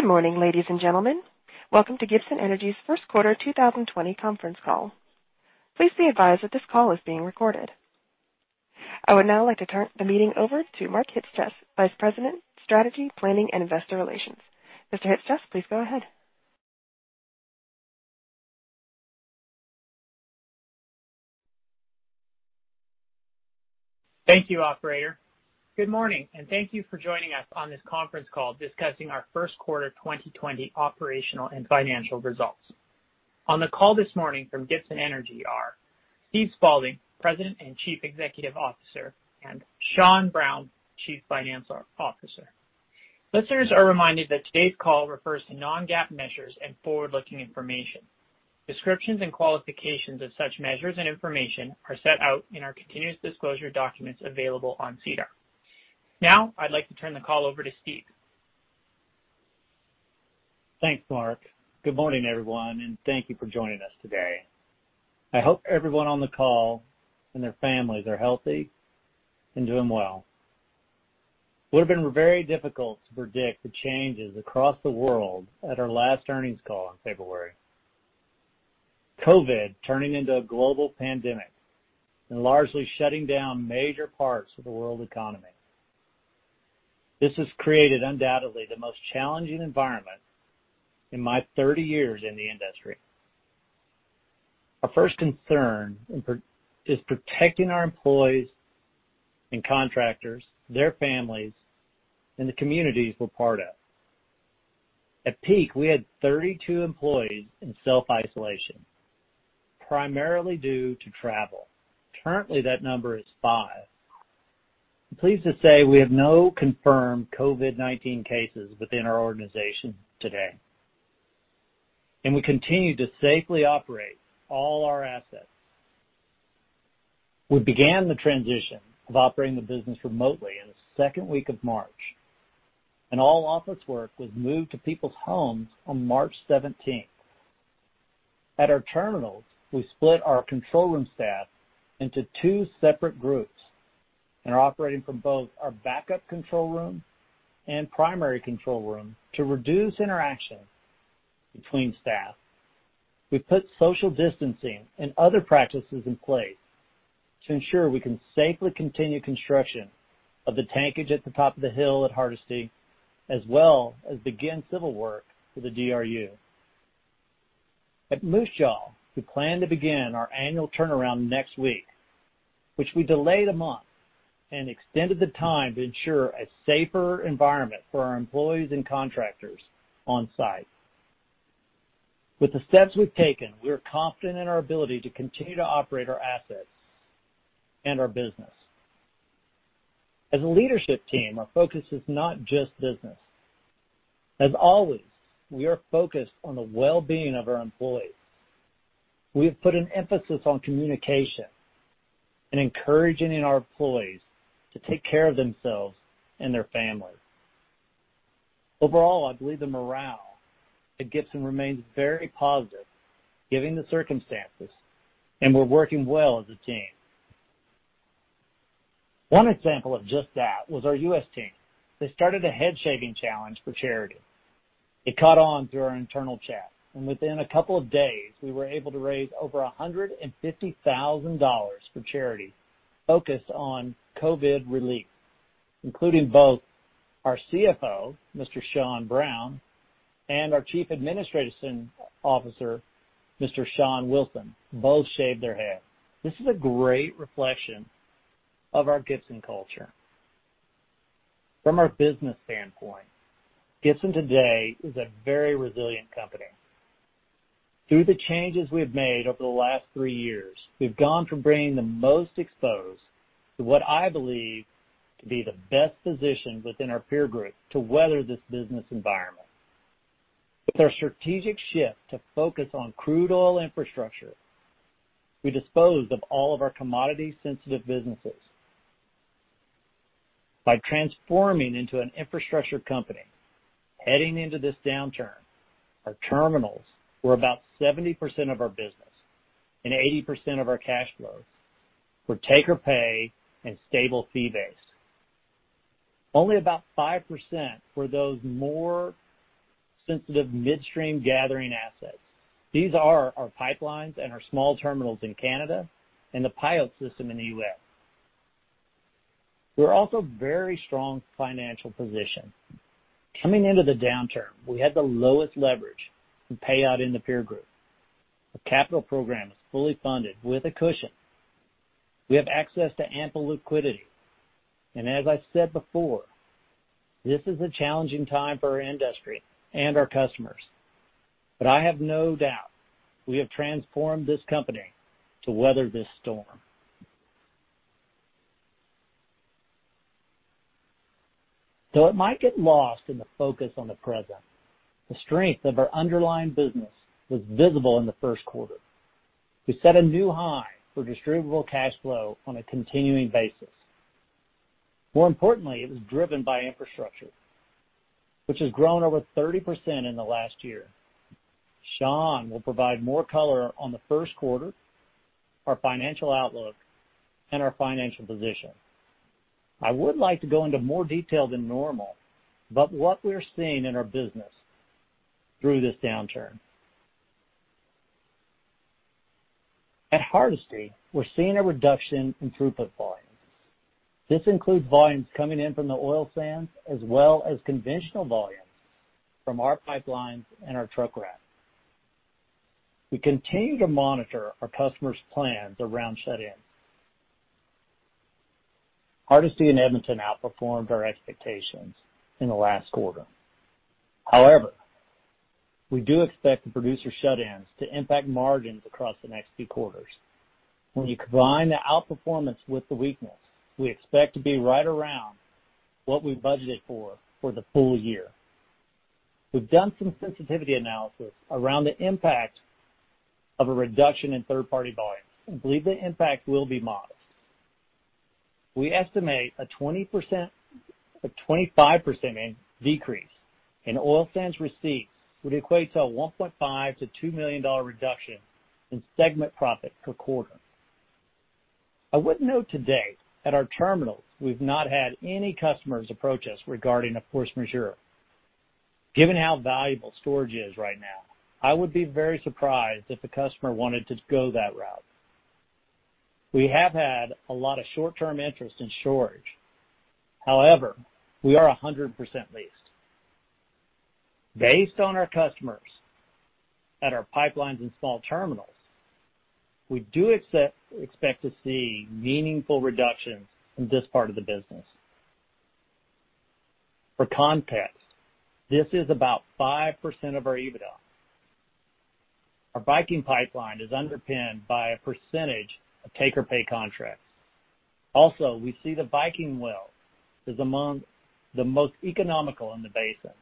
Good morning, ladies and gentlemen. Welcome to Gibson Energy's first quarter 2020 conference call. Please be advised that this call is being recorded. I would now like to turn the meeting over to Mark Chyc-Cies, Vice President, Strategy, Planning, and Investor Relations. Mr. Chyc-Cies, please go ahead. Thank you, operator. Good morning. Thank you for joining us on this conference call discussing our first quarter 2020 operational and financial results. On the call this morning from Gibson Energy are Steve Spaulding, President and Chief Executive Officer, and Sean Brown, Chief Financial Officer. Listeners are reminded that today's call refers to non-GAAP measures and forward-looking information. Descriptions and qualifications of such measures and information are set out in our continuous disclosure documents available on SEDAR. I'd like to turn the call over to Steve. Thanks, Mark. Good morning, everyone, thank you for joining us today. I hope everyone on the call and their families are healthy and doing well. It would've been very difficult to predict the changes across the world at our last earnings call in February, COVID turning into a global pandemic and largely shutting down major parts of the world economy. This has created undoubtedly the most challenging environment in my 30 years in the industry. Our first concern is protecting our employees and contractors, their families, and the communities we're part of. At peak, we had 32 employees in self-isolation, primarily due to travel. Currently, that number is five. I'm pleased to say we have no confirmed COVID-19 cases within our organization today, and we continue to safely operate all our assets. We began the transition of operating the business remotely in the second week of March, and all office work was moved to people's homes on March 17th. At our terminals, we split our control room staff into two separate groups and are operating from both our backup control room and primary control room to reduce interaction between staff. We've put social distancing and other practices in place to ensure we can safely continue construction of the tankage at the top of the hill at Hardisty, as well as begin civil work for the DRU. At Moose Jaw, we plan to begin our annual turnaround next week, which we delayed a month and extended the time to ensure a safer environment for our employees and contractors on-site. With the steps we've taken, we are confident in our ability to continue to operate our assets and our business. As a leadership team, our focus is not just business. As always, we are focused on the well-being of our employees. We have put an emphasis on communication and encouraging our employees to take care of themselves and their families. Overall, I believe the morale at Gibson remains very positive given the circumstances, and we're working well as a team. One example of just that was our U.S. team. They started a head-shaving challenge for charity. It caught on through our internal chat, within a couple of days, we were able to raise over 150,000 dollars for charity focused on COVID relief, including both our CFO, Mr. Sean Brown, and our Chief Administrative Officer, Mr. Sean Wilson. Both shaved their head. This is a great reflection of our Gibson culture. From a business standpoint, Gibson today is a very resilient company. Through the changes we've made over the last three years, we've gone from being the most exposed to what I believe to be the best position within our peer group to weather this business environment. With our strategic shift to focus on crude oil infrastructure, we disposed of all of our commodity-sensitive businesses. By transforming into an infrastructure company, heading into this downturn, our terminals were about 70% of our business and 80% of our cash flows were take or pay and stable fee base. Only about 5% were those more sensitive midstream gathering assets. These are our pipelines and our small terminals in Canada and the Viking system in the U.S. We're also very strong financial position. Coming into the downturn, we had the lowest leverage to payout in the peer group. Our capital program is fully funded with a cushion. We have access to ample liquidity, and as I said before, this is a challenging time for our industry and our customers. I have no doubt we have transformed this company to weather this storm. Though it might get lost in the focus on the present, the strength of our underlying business was visible in the first quarter. We set a new high for distributable cash flow on a continuing basis. More importantly, it was driven by infrastructure, which has grown over 30% in the last year. Sean will provide more color on the first quarter, our financial outlook, and our financial position. I would like to go into more detail than normal about what we're seeing in our business through this downturn. At Hardisty, we're seeing a reduction in throughput volumes. This includes volumes coming in from the oil sands, as well as conventional volumes from our pipelines and our truck rack. We continue to monitor our customers' plans around shut-ins. Hardisty and Edmonton outperformed our expectations in the last quarter. However, we do expect the producer shut-ins to impact margins across the next few quarters. When you combine the outperformance with the weakness, we expect to be right around what we budgeted for the full year. We've done some sensitivity analysis around the impact of a reduction in third-party volumes and believe the impact will be modest. We estimate a 25% decrease in oil sands receipts would equate to a 1.5 million-2 million dollar reduction in segment profit per quarter. I would note today, at our terminals, we've not had any customers approach us regarding a force majeure. Given how valuable storage is right now, I would be very surprised if a customer wanted to go that route. We have had a lot of short-term interest in storage. However, we are 100% leased. Based on our customers at our pipelines and small terminals, we do expect to see meaningful reductions in this part of the business. For context, this is about 5% of our EBITDA. Our Viking pipeline is underpinned by a percentage of take-or-pay contracts. Also, we see the Viking well is among the most economical in the basin.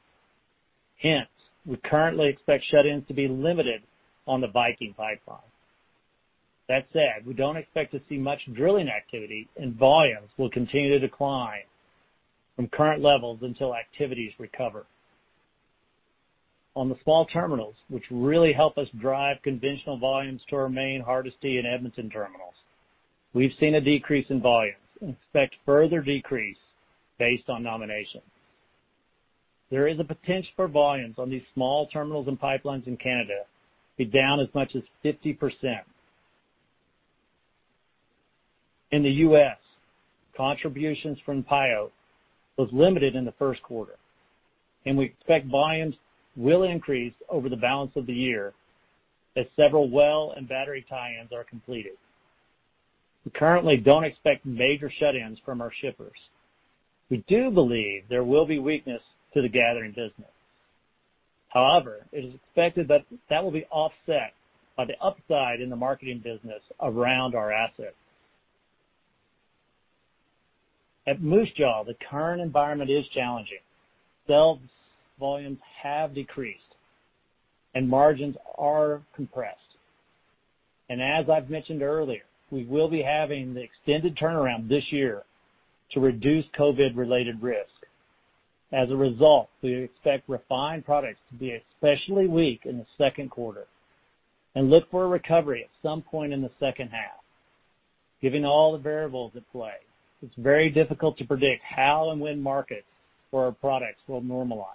Hence, we currently expect shut-ins to be limited on the Viking pipeline. That said, we don't expect to see much drilling activity, and volumes will continue to decline from current levels until activities recover. On the small terminals, which really help us drive conventional volumes to our main Hardisty and Edmonton terminals, we've seen a decrease in volumes and expect further decrease based on nomination. There is a potential for volumes on these small terminals and pipelines in Canada to be down as much as 50%. In the U.S., contributions from PIO was limited in the first quarter, and we expect volumes will increase over the balance of the year as several well and battery tie-ins are completed. We currently don't expect major shut-ins from our shippers. We do believe there will be weakness to the gathering business. It is expected that will be offset by the upside in the marketing business around our assets. At Moose Jaw, the current environment is challenging. Sales volumes have decreased, and margins are compressed. As I've mentioned earlier, we will be having the extended turnaround this year to reduce COVID-related risk. As a result, we expect refined products to be especially weak in the second quarter and look for a recovery at some point in the second half. Given all the variables at play, it's very difficult to predict how and when markets for our products will normalize.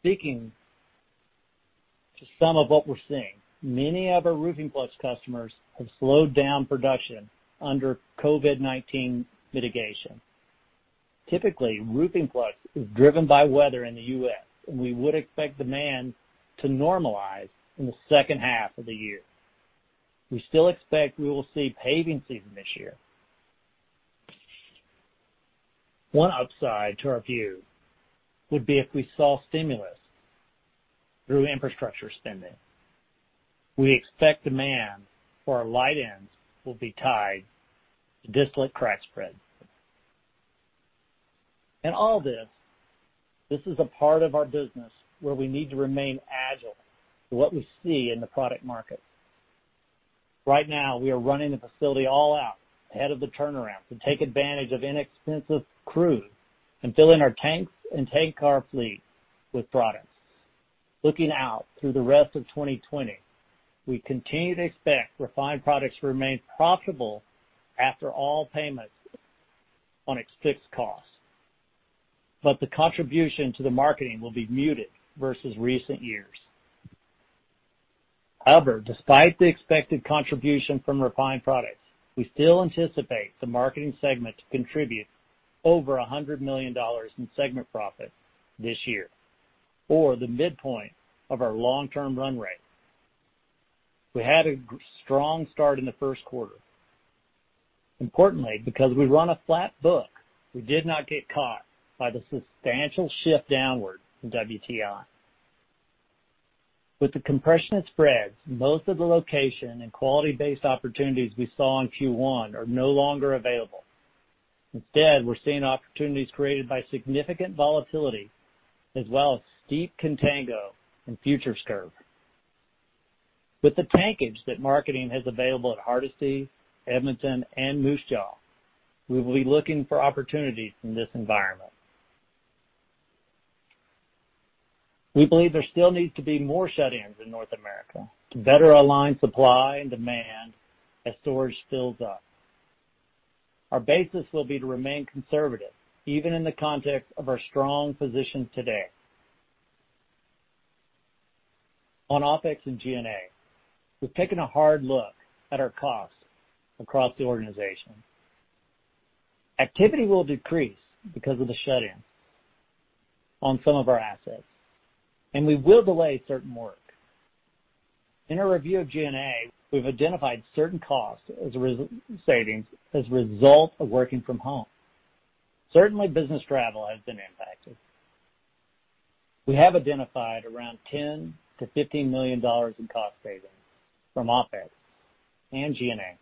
Speaking to some of what we're seeing, many of our Roofing Flux customers have slowed down production under COVID-19 mitigation. Typically, Roofing Flux is driven by weather in the U.S., and we would expect demand to normalize in the second half of the year. We still expect we will see paving season this year. One upside to our view would be if we saw stimulus through infrastructure spending. We expect demand for our light ends will be tied to distillate crack spread. In all this is a part of our business where we need to remain agile to what we see in the product market. Right now, we are running the facility all out ahead of the turnaround to take advantage of inexpensive crude and fill in our tanks and tank car fleet with products. Looking out through the rest of 2020, we continue to expect refined products to remain profitable after all payments on its fixed costs, but the contribution to the marketing will be muted versus recent years. However, despite the expected contribution from refined products, we still anticipate the marketing segment to contribute over 100 million dollars in segment profit this year, or the midpoint of our long-term run rate. We had a strong start in the first quarter. Importantly, because we run a flat book, we did not get caught by the substantial shift downward from WTI. With the compression of spreads, most of the location and quality-based opportunities we saw in Q1 are no longer available. Instead, we're seeing opportunities created by significant volatility as well as steep contango in futures curve. With the tankage that marketing has available at Hardisty, Edmonton, and Moose Jaw, we will be looking for opportunities in this environment. We believe there still needs to be more shut-ins in North America to better align supply and demand as storage fills up. Our basis will be to remain conservative, even in the context of our strong position today. On OpEx and G&A, we've taken a hard look at our costs across the organization. Activity will decrease because of the shut-in on some of our assets, and we will delay certain work. In our review of G&A, we've identified certain cost savings as a result of working from home. Certainly, business travel has been impacted. We have identified around 10 million-15 million dollars in cost savings from OpEx and G&A.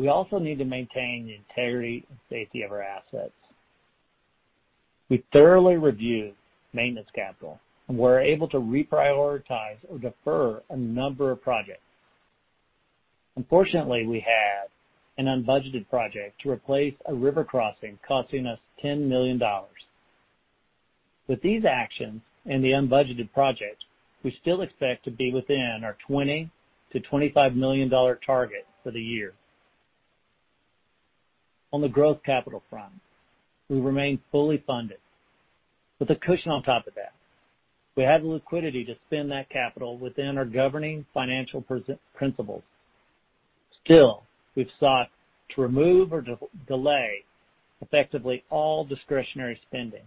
We also need to maintain the integrity and safety of our assets. We thoroughly reviewed maintenance capital and were able to reprioritize or defer a number of projects. Unfortunately, we had an unbudgeted project to replace a river crossing, costing us 10 million dollars. With these actions and the unbudgeted project, we still expect to be within our 20 million-25 million dollar target for the year. On the growth capital front, we remain fully funded with a cushion on top of that. We have the liquidity to spend that capital within our governing financial principles. We've sought to remove or delay effectively all discretionary spending.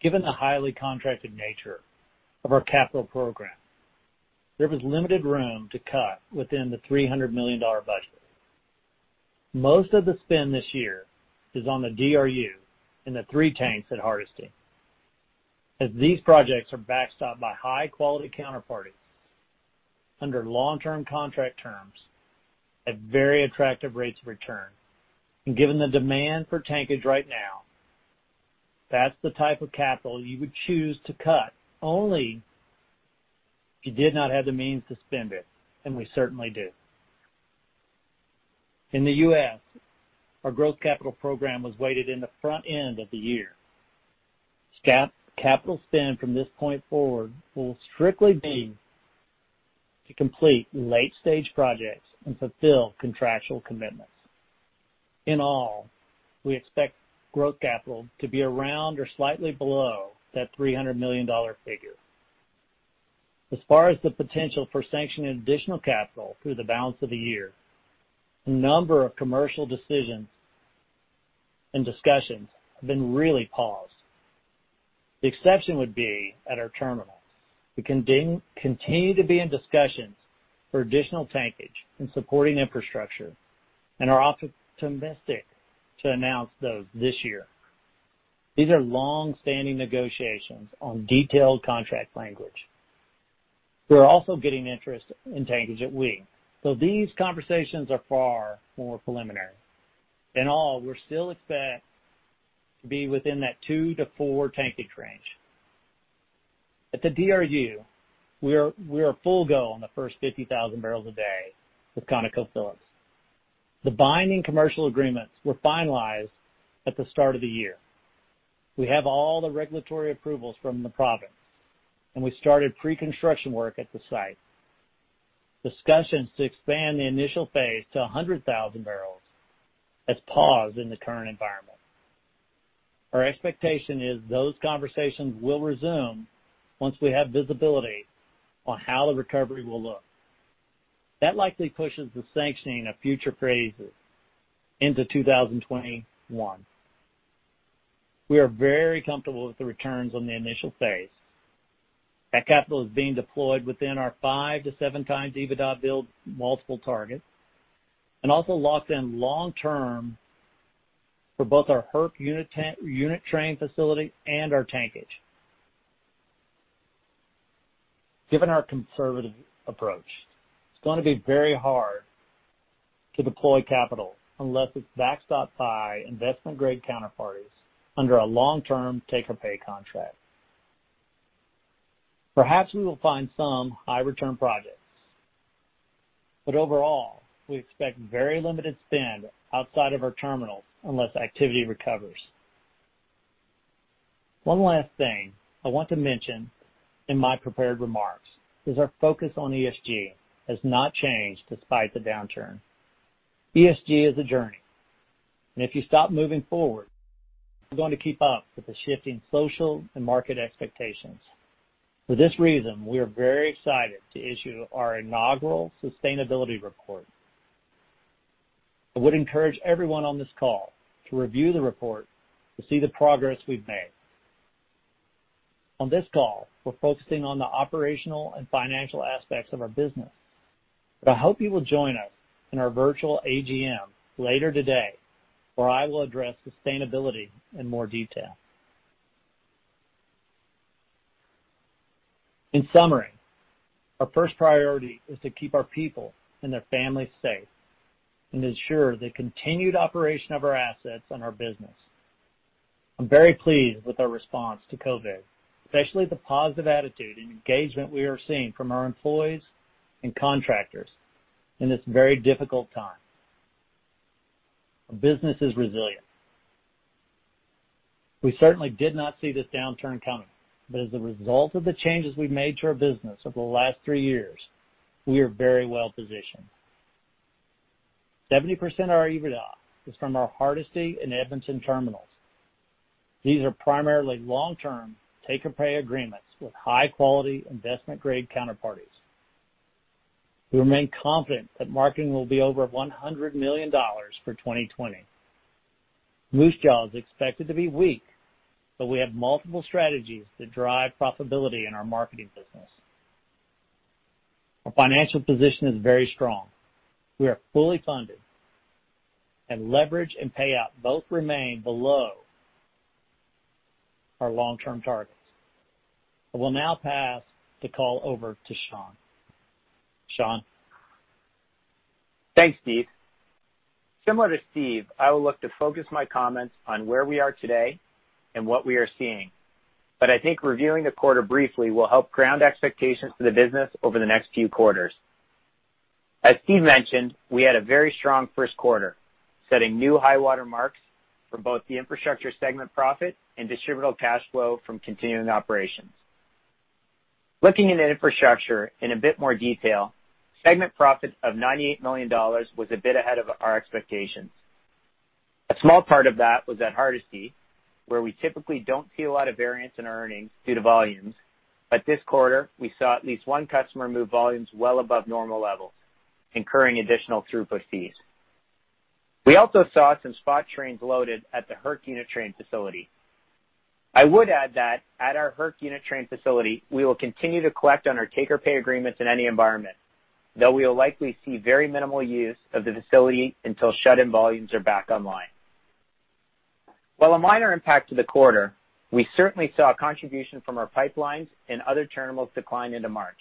Given the highly contracted nature of our capital program, there was limited room to cut within the 300 million dollar budget. Most of the spend this year is on the DRU and the three tanks at Hardisty, as these projects are backstopped by high-quality counterparties under long-term contract terms at very attractive rates of return. Given the demand for tankage right now, that's the type of capital you would choose to cut only if you did not have the means to spend it, and we certainly do. In the U.S., our growth capital program was weighted in the front end of the year. Capital spend from this point forward will strictly be to complete late-stage projects and fulfill contractual commitments. In all, we expect growth capital to be around or slightly below that 300 million dollar figure. The potential for sanctioning additional capital through the balance of the year, a number of commercial decisions and discussions have been really paused. The exception would be at our terminals. We continue to be in discussions for additional tankage and supporting infrastructure and are optimistic to announce those this year. These are long-standing negotiations on detailed contract language. We're also getting interest in tankage at Wink, though these conversations are far more preliminary. In all, we still expect to be within that two to four tankage range. At the DRU, we are full go on the first 50,000 barrels a day with ConocoPhillips. The binding commercial agreements were finalized at the start of the year. We have all the regulatory approvals from the province, and we started pre-construction work at the site. Discussions to expand the initial phase to 100,000 barrels has paused in the current environment. Our expectation is those conversations will resume once we have visibility on how the recovery will look. That likely pushes the sanctioning of future phases into 2021. We are very comfortable with the returns on the initial phase. That capital is being deployed within our five to seven times EBITDA build multiple targets and also locks in long term for both our HERC unit train facility and our tankage. Given our conservative approach, it's going to be very hard to deploy capital unless it's backstopped by investment-grade counterparties under a long-term take-or-pay contract. Perhaps we will find some high-return projects, overall, we expect very limited spend outside of our terminals unless activity recovers. One last thing I want to mention in my prepared remarks is our focus on ESG has not changed despite the downturn. ESG is a journey, if you stop moving forward, you're going to keep up with the shifting social and market expectations. For this reason, we are very excited to issue our inaugural sustainability report. I would encourage everyone on this call to review the report to see the progress we've made. On this call, we're focusing on the operational and financial aspects of our business, but I hope you will join us in our virtual AGM later today, where I will address sustainability in more detail. In summary, our first priority is to keep our people and their families safe and ensure the continued operation of our assets and our business. I'm very pleased with our response to COVID, especially the positive attitude and engagement we are seeing from our employees and contractors in this very difficult time. Our business is resilient. We certainly did not see this downturn coming, but as a result of the changes we've made to our business over the last three years, we are very well-positioned. 70% of our EBITDA is from our Hardisty and Edmonton terminals. These are primarily long-term take-or-pay agreements with high-quality investment-grade counterparties. We remain confident that marketing will be over 100 million dollars for 2020. Moose Jaw is expected to be weak, but we have multiple strategies to drive profitability in our marketing business. Our financial position is very strong. We are fully funded, and leverage and payout both remain below our long-term targets. I will now pass the call over to Sean. Sean? Thanks, Steve. Similar to Steve, I will look to focus my comments on where we are today and what we are seeing. I think reviewing the quarter briefly will help ground expectations for the business over the next few quarters. As Steve mentioned, we had a very strong first quarter, setting new high water marks for both the infrastructure segment profit and distributable cash flow from continuing operations. Looking at infrastructure in a bit more detail, segment profit of 98 million dollars was a bit ahead of our expectations. A small part of that was at Hardisty, where we typically don't see a lot of variance in earnings due to volumes. This quarter, we saw at least one customer move volumes well above normal levels, incurring additional throughput fees. We also saw some spot trains loaded at the HERC unit train facility. I would add that at our HERC unit train facility, we will continue to collect on our take-or-pay agreements in any environment, though we will likely see very minimal use of the facility until shut-in volumes are back online. While a minor impact to the quarter, we certainly saw a contribution from our pipelines and other terminals decline into March.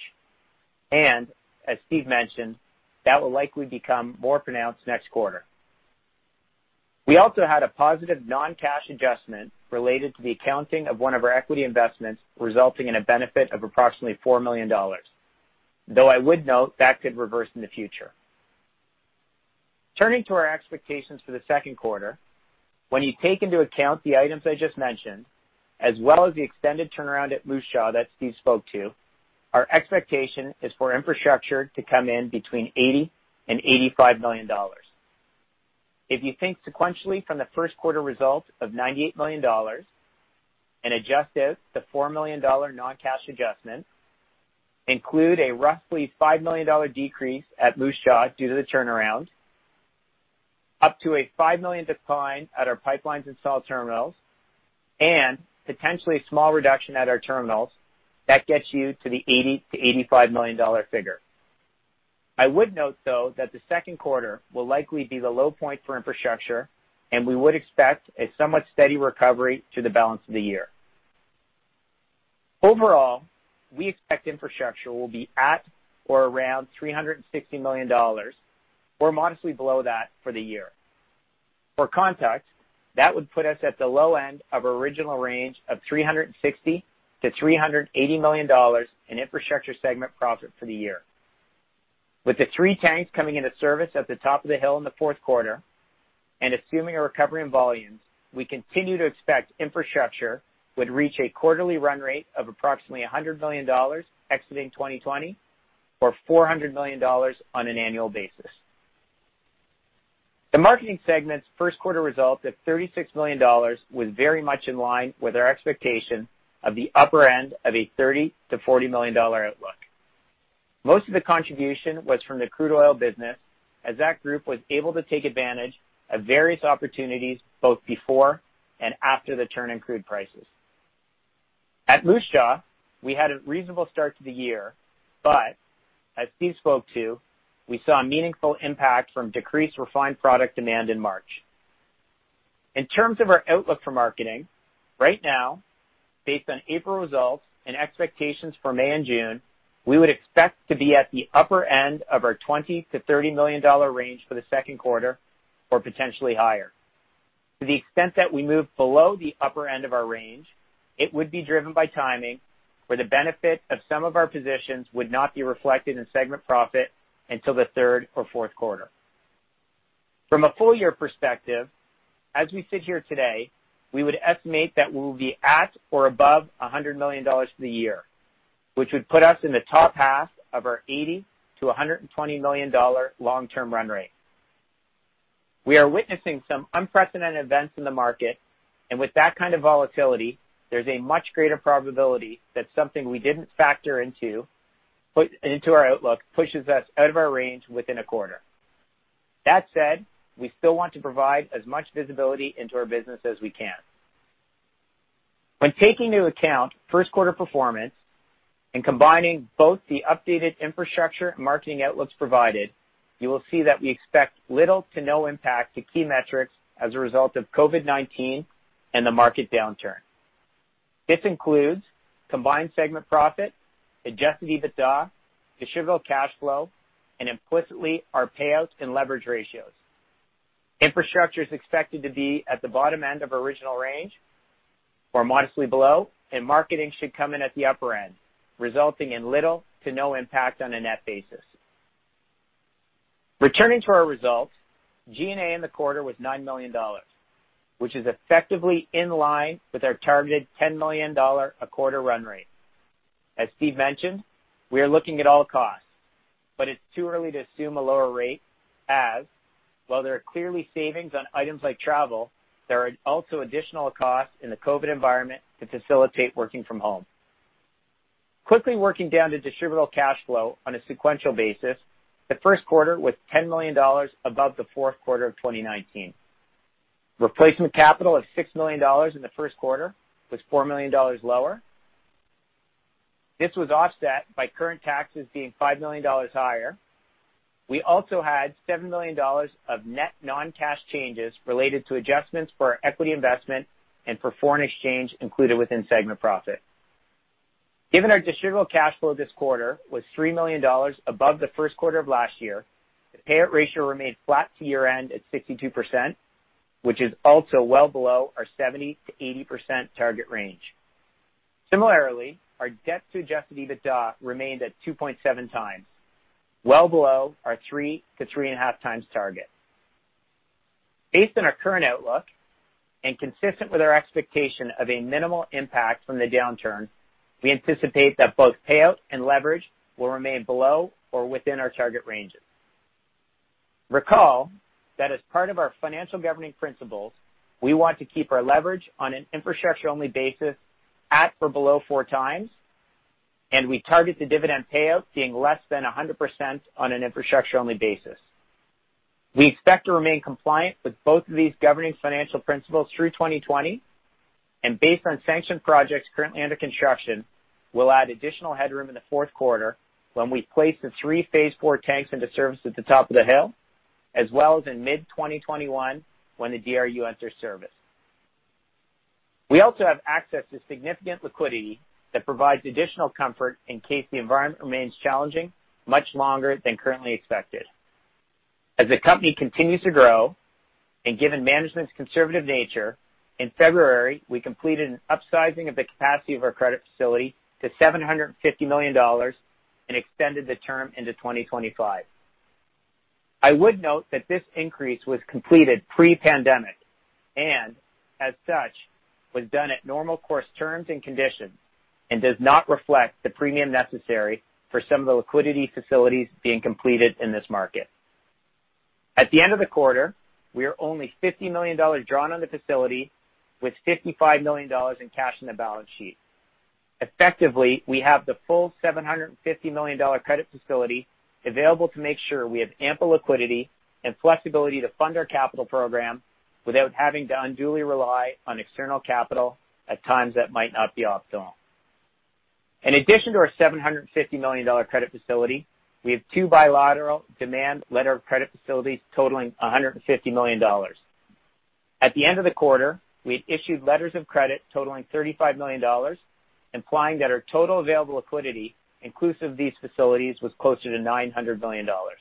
As Steve mentioned, that will likely become more pronounced next quarter. We also had a positive non-cash adjustment related to the accounting of one of our equity investments, resulting in a benefit of approximately 4 million dollars. I would note that could reverse in the future. Turning to our expectations for the second quarter, when you take into account the items I just mentioned, as well as the extended turnaround at Moose Jaw that Steve spoke to, our expectation is for infrastructure to come in between 80 million and 85 million dollars. If you think sequentially from the first quarter results of 98 million dollars and adjust out the 4 million dollar non-cash adjustment, include a roughly 5 million dollar decrease at Moose Jaw due to the turnaround, up to a 5 million decline at our pipelines installed terminals, and potentially a small reduction at our terminals, that gets you to the 80 million-85 million dollar figure. I would note, though, that the second quarter will likely be the low point for infrastructure, and we would expect a somewhat steady recovery through the balance of the year. Overall, we expect Infrastructure will be at or around 360 million dollars or modestly below that for the year. For context, that would put us at the low end of our original range of 360 million-380 million dollars in Infrastructure segment profit for the year. With the three tanks coming into service at the top of the hill in the fourth quarter, assuming a recovery in volumes, we continue to expect Infrastructure would reach a quarterly run rate of approximately 100 million dollars exiting 2020 or 400 million dollars on an annual basis. The Marketing segment's first quarter result at 36 million dollars was very much in line with our expectation of the upper end of a 30 million-40 million dollar outlook. Most of the contribution was from the crude oil business, as that group was able to take advantage of various opportunities both before and after the turn in crude prices. At Moose Jaw, we had a reasonable start to the year, as Steve spoke to, we saw a meaningful impact from decreased refined product demand in March. In terms of our outlook for marketing, right now, based on April results and expectations for May and June, we would expect to be at the upper end of our 20 million-30 million dollar range for the second quarter or potentially higher. To the extent that we move below the upper end of our range, it would be driven by timing, where the benefit of some of our positions would not be reflected in segment profit until the third or fourth quarter. From a full-year perspective, as we sit here today, we would estimate that we will be at or above 100 million dollars for the year, which would put us in the top half of our 80 million-120 million dollar long-term run rate. We are witnessing some unprecedented events in the market, with that kind of volatility, there's a much greater probability that something we didn't factor into our outlook pushes us out of our range within a quarter. That said, we still want to provide as much visibility into our business as we can. When taking into account first quarter performance and combining both the updated infrastructure and marketing outlooks provided, you will see that we expect little to no impact to key metrics as a result of COVID-19 and the market downturn. This includes combined segment profit, adjusted EBITDA, distributable cash flow, implicitly our payouts and leverage ratios. Infrastructure is expected to be at the bottom end of original range or modestly below. Marketing should come in at the upper end, resulting in little to no impact on a net basis. Returning to our results, G&A in the quarter was 9 million dollars, which is effectively in line with our targeted 10 million dollar a quarter run rate. As Steve mentioned, we are looking at all costs. It's too early to assume a lower rate, as while there are clearly savings on items like travel, there are also additional costs in the COVID environment to facilitate working from home. Quickly working down to distributable cash flow on a sequential basis, the first quarter was 10 million dollars above the fourth quarter of 2019. Replacement capital of 6 million dollars in the first quarter was 4 million dollars lower. This was offset by current taxes being 5 million dollars higher. We also had 7 million dollars of net non-cash changes related to adjustments for our equity investment and foreign exchange included within segment profit. Given our distributable cash flow this quarter was 3 million dollars above the first quarter of last year, the payout ratio remained flat to year-end at 62%, which is also well below our 70%-80% target range. Similarly, our debt to adjusted EBITDA remained at 2.7x, well below our 3x-3.5x target. Based on our current outlook and consistent with our expectation of a minimal impact from the downturn, we anticipate that both payout and leverage will remain below or within our target ranges. Recall that as part of our financial governing principles, we want to keep our leverage on an infrastructure-only basis at or below 4x, and we target the dividend payout being less than 100% on an infrastructure-only basis. We expect to remain compliant with both of these governing financial principles through 2020. Based on sanctioned projects currently under construction, we'll add additional headroom in the fourth quarter when we place the three phase IV tanks into service at the top of the hill, as well as in mid-2021 when the DRU enters service. We also have access to significant liquidity that provides additional comfort in case the environment remains challenging much longer than currently expected. As the company continues to grow, given management's conservative nature, in February, we completed an upsizing of the capacity of our credit facility to 750 million dollars and extended the term into 2025. I would note that this increase was completed pre-pandemic, and as such, was done at normal course terms and conditions and does not reflect the premium necessary for some of the liquidity facilities being completed in this market. At the end of the quarter, we are only 50 million dollars drawn on the facility with 55 million dollars in cash on the balance sheet. Effectively, we have the full 750 million dollar credit facility available to make sure we have ample liquidity and flexibility to fund our capital program without having to unduly rely on external capital at times that might not be optimal. In addition to our 750 million dollar credit facility, we have two bilateral demand letter of credit facilities totaling 150 million dollars. At the end of the quarter, we had issued letters of credit totaling 35 million dollars, implying that our total available liquidity inclusive of these facilities was closer to 900 million dollars.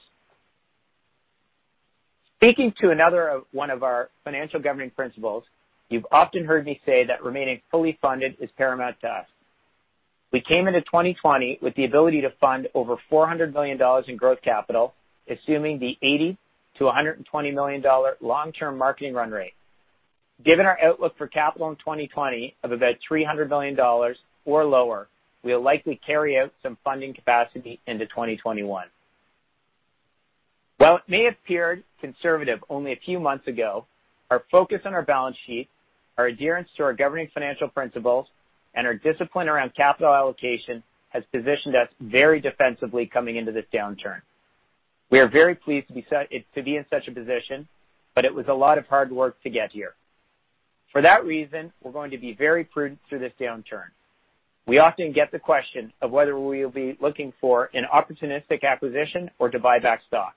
Speaking to another one of our financial governing principles, you've often heard me say that remaining fully funded is paramount to us. We came into 2020 with the ability to fund over CAD 400 million in growth capital, assuming the CAD 80 million-CAD 120 million long-term marketing run rate. Given our outlook for capital in 2020 of about CAD 300 million or lower, we'll likely carry out some funding capacity into 2021. While it may have appeared conservative only a few months ago, our focus on our balance sheet, our adherence to our governing financial principles, and our discipline around capital allocation has positioned us very defensively coming into this downturn. We are very pleased to be in such a position, but it was a lot of hard work to get here. For that reason, we're going to be very prudent through this downturn. We often get the question of whether we will be looking for an opportunistic acquisition or to buy back stock.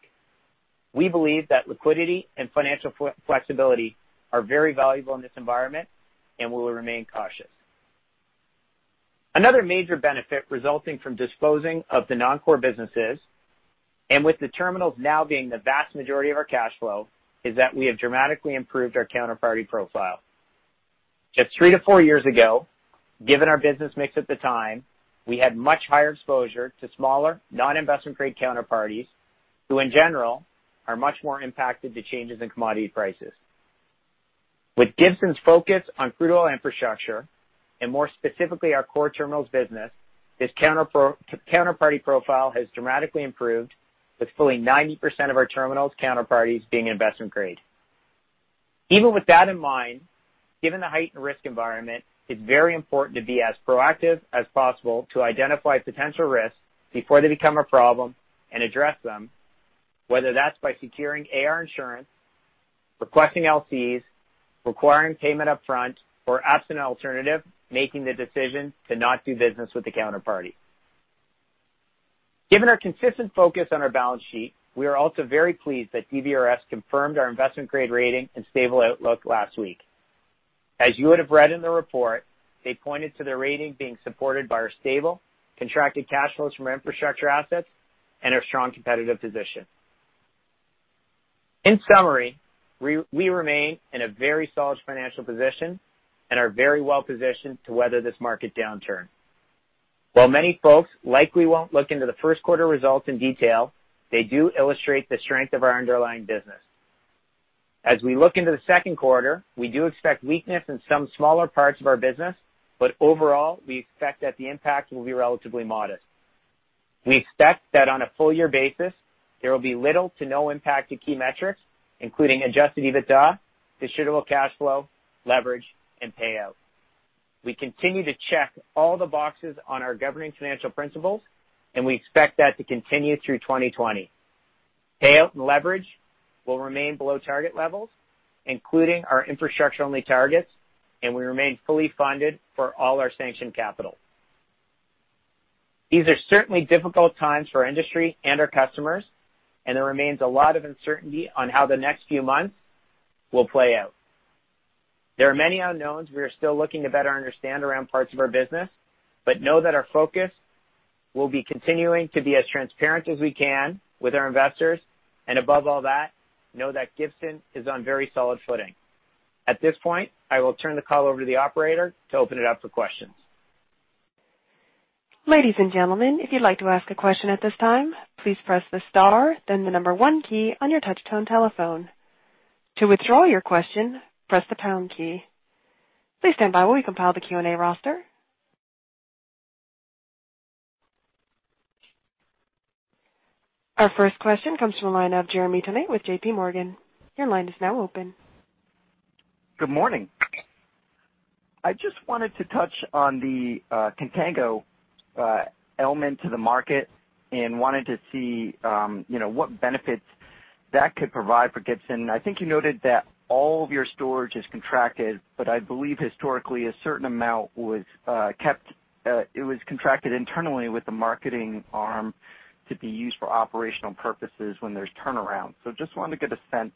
We believe that liquidity and financial flexibility are very valuable in this environment and we will remain cautious. Another major benefit resulting from disposing of the non-core businesses, and with the terminals now being the vast majority of our cash flow, is that we have dramatically improved our counterparty profile. Just three to four years ago, given our business mix at the time, we had much higher exposure to smaller, non-investment-grade counterparties, who in general, are much more impacted to changes in commodity prices. With Gibson's focus on crude oil infrastructure, and more specifically our core terminals business, this counterparty profile has dramatically improved, with fully 90% of our terminals counterparties being investment-grade. Even with that in mind, given the heightened risk environment, it's very important to be as proactive as possible to identify potential risks before they become a problem and address them, whether that's by securing AR insurance, requesting LCs, requiring payment up front, or as an alternative, making the decision to not do business with the counterparty. Given our consistent focus on our balance sheet, we are also very pleased that DBRS confirmed our investment grade rating and stable outlook last week. As you would have read in the report, they pointed to their rating being supported by our stable, contracted cash flows from our infrastructure assets and our strong competitive position. In summary, we remain in a very solid financial position and are very well positioned to weather this market downturn. While many folks likely won't look into the first quarter results in detail, they do illustrate the strength of our underlying business. As we look into the second quarter, we do expect weakness in some smaller parts of our business, but overall, we expect that the impact will be relatively modest. We expect that on a full year basis, there will be little to no impact to key metrics, including adjusted EBITDA, distributable cash flow, leverage, and payout. We continue to check all the boxes on our governing financial principles, and we expect that to continue through 2020. Payout and leverage will remain below target levels, including our infrastructure-only targets, and we remain fully funded for all our sanctioned capital. These are certainly difficult times for our industry and our customers, and there remains a lot of uncertainty on how the next few months will play out. There are many unknowns we are still looking to better understand around parts of our business, but know that our focus will be continuing to be as transparent as we can with our investors, and above all that, know that Gibson is on very solid footing. At this point, I will turn the call over to the operator to open it up for questions. Ladies and gentlemen, if you'd like to ask a question at this time, please press the star, then the number one key on your touchtone telephone. To withdraw your question, press the pound key. Please stand by while we compile the Q&A roster. Our first question comes from the line of Jeremy Tonet with J.P. Morgan. Your line is now open. Good morning. I just wanted to touch on the contango element to the market and wanted to see what benefits that could provide for Gibson. I think you noted that all of your storage is contracted, but I believe historically a certain amount was contracted internally with the marketing arm to be used for operational purposes when there's turnaround. Just wanted to get a sense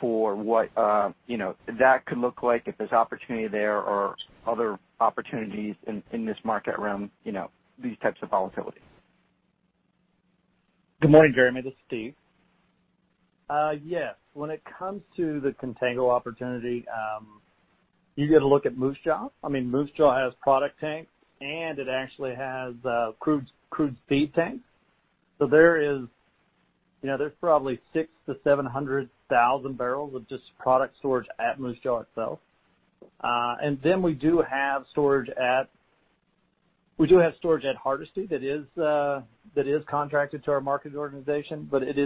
for what that could look like if there's opportunity there or other opportunities in this market around these types of volatility. Good morning, Jeremy. This is Steve. Yes. When it comes to the contango opportunity, you get a look at Moose Jaw. I mean, Moose Jaw has product tanks, and it actually has crude feed tanks. There's probably 600,000-700,000 barrels of just product storage at Moose Jaw itself. We do have storage at Hardisty that is contracted to our marketing organization, but it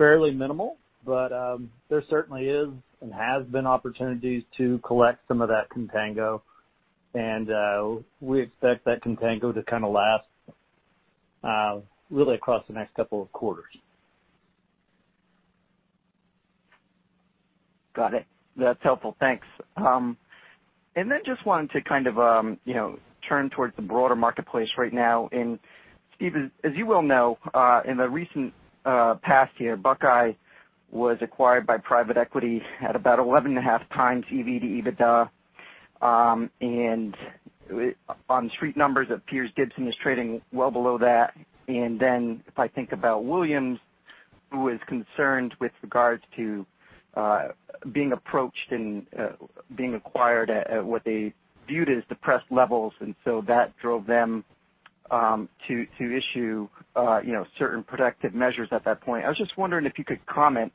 is fairly minimal. There certainly is and has been opportunities to collect some of that contango, and we expect that contango to kind of last really across the next couple of quarters. Got it. That's helpful. Thanks. Just wanted to kind of turn towards the broader marketplace right now. Steve, as you well know, in the recent past here, Buckeye was acquired by private equity at about 11.5 times EV to EBITDA. On street numbers, it appears Gibson is trading well below that. If I think about Williams, who is concerned with regards to being approached and being acquired at what they viewed as depressed levels, and so that drove them to issue certain protective measures at that point. I was just wondering if you could comment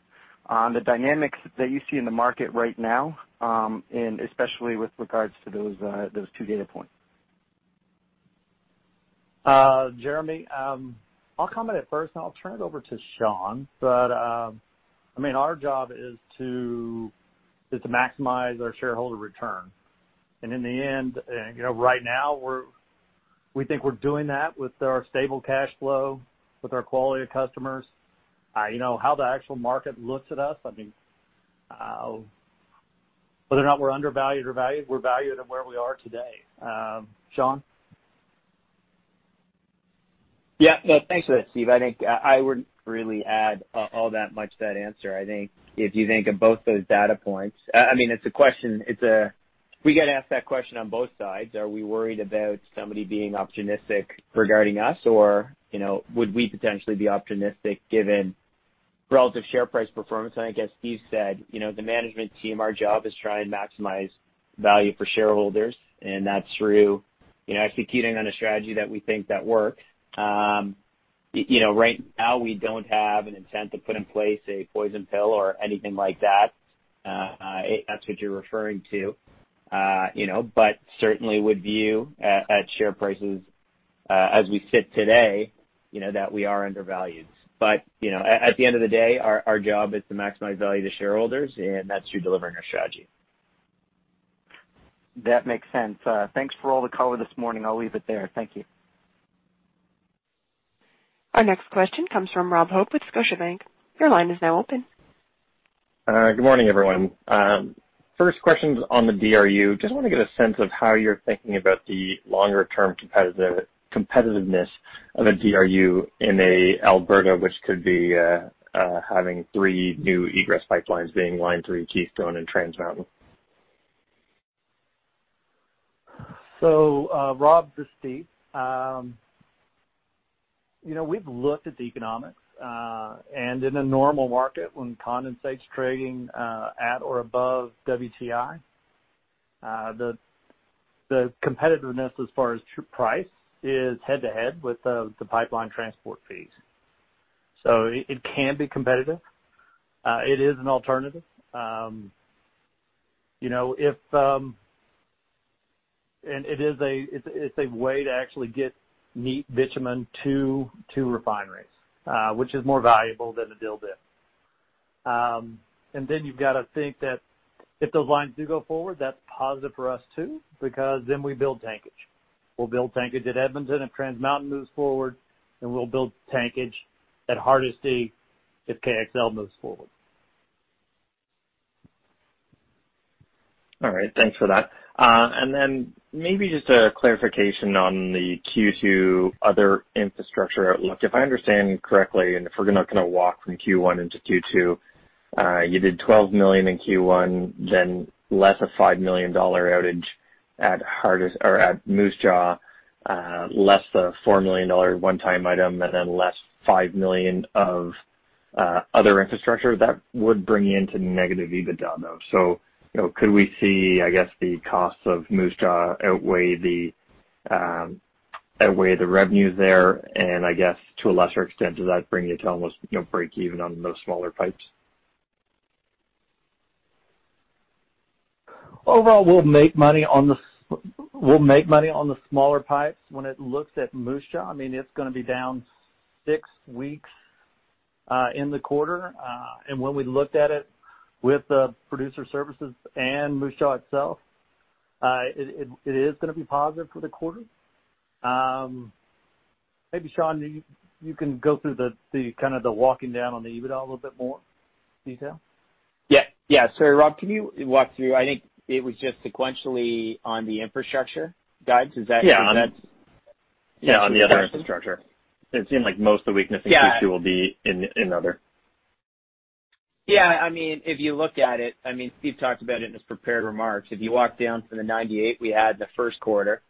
on the dynamics that you see in the market right now, and especially with regards to those two data points. Jeremy, I'll comment at first. I'll turn it over to Sean. I mean, our job is to maximize our shareholder return. In the end, right now we think we're doing that with our stable cash flow, with our quality of customers. How the actual market looks at us, I mean, whether or not we're undervalued or valued, we're valued at where we are today. Sean? Yeah. No, thanks for that, Steve. I think I wouldn't really add all that much to that answer. I think if you think of both those data points, I mean, we got to ask that question on both sides. Are we worried about somebody being opportunistic regarding us or would we potentially be opportunistic given relative share price performance? I think as Steve said, the management team, our job is to try and maximize value for shareholders, and that's through executing on a strategy that we think that works. Right now we don't have an intent to put in place a poison pill or anything like that, if that's what you're referring to. Certainly would view at share prices as we sit today, that we are undervalued. At the end of the day, our job is to maximize value to shareholders, and that's through delivering our strategy. That makes sense. Thanks for all the color this morning. I'll leave it there. Thank you. Our next question comes from Robert Hope with Scotiabank. Your line is now open. Good morning, everyone. First question's on the DRU. Just want to get a sense of how you're thinking about the longer-term competitiveness of a DRU in Alberta, which could be having three new egress pipelines being Line 3, Keystone, and Trans Mountain. Rob, this is Steve. We've looked at the economics, and in a normal market, when condensate's trading at or above WTI, the competitiveness as far as price is head-to-head with the pipeline transport fees. It can be competitive. It is an alternative. It's a way to actually get neat bitumen to refineries, which is more valuable than a dilbit. Then you've got to think that if those lines do go forward, that's positive for us too, because then we build tankage. We'll build tankage at Edmonton if Trans Mountain moves forward, and we'll build tankage at Hardisty if KXL moves forward. All right. Thanks for that. Maybe just a clarification on the Q2 other infrastructure outlook. If I understand correctly, if we're going to walk from Q1 into Q2, you did 12 million in Q1, less a 5 million dollar outage at Moose Jaw, less the 4 million dollar one-time item, less 5 million of other infrastructure. That would bring you into negative EBITDA, though. Could we see, I guess, the costs of Moose Jaw outweigh the revenue there? I guess, to a lesser extent, does that bring you to almost breakeven on those smaller pipes? Overall, we'll make money on the smaller pipes. When it looks at Moose Jaw, it's going to be down six weeks in the quarter. When we looked at it with the producer services and Moose Jaw itself, it is going to be positive for the quarter. Maybe, Sean, you can go through the walking down on the EBITDA a little bit more detail. Sorry, Rob Hope, can you walk through? I think it was just sequentially on the infrastructure guides. Yeah Correct? Yeah, on the other infrastructure. It seemed like most of the weakness in Q2 will be in other. Yeah. If you look at it, Steve talked about it in his prepared remarks. If you walk down from the 98 we had in the first quarter,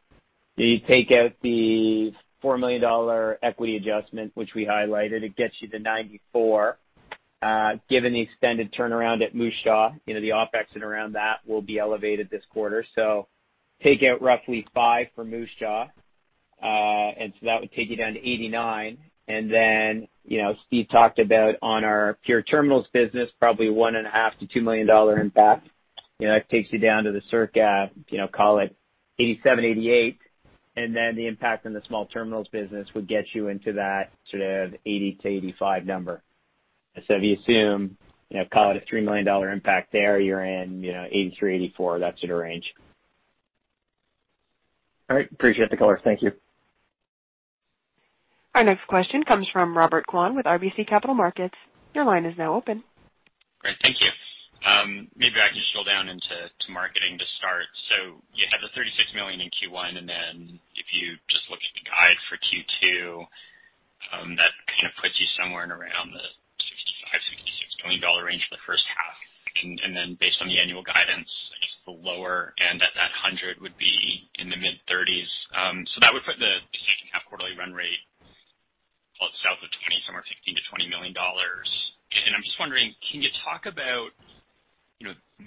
you take out the 4 million dollar equity adjustment, which we highlighted, it gets you to 94. Given the extended turnaround at Moose Jaw, the OpEx and around that will be elevated this quarter. Take out roughly five for Moose Jaw, that would take you down to 89. Steve talked about on our pure terminals business, probably 1.5 million-2 million dollar impact. That takes you down to the circa, call it 87, 88. The impact on the small terminals business would get you into that sort of 80-85 number. If you assume, call it a 3 million dollar impact there, you're in 83, 84. That sort of range. All right. Appreciate the color. Thank you. Our next question comes from Robert Kwan with RBC Capital Markets. Your line is now open. Great. Thank you. Maybe if I can drill down into marketing to start. You had the 36 million in Q1. If you just look at the guide for Q2, that kind of puts you somewhere in around the 65 million-66 million dollar range for the first half. Based on the annual guidance, I guess the lower end at that 100 would be in the mid-30s. That would put the second half quarterly run rate south of 20 million, somewhere 15 million-20 million dollars. I'm just wondering, can you talk about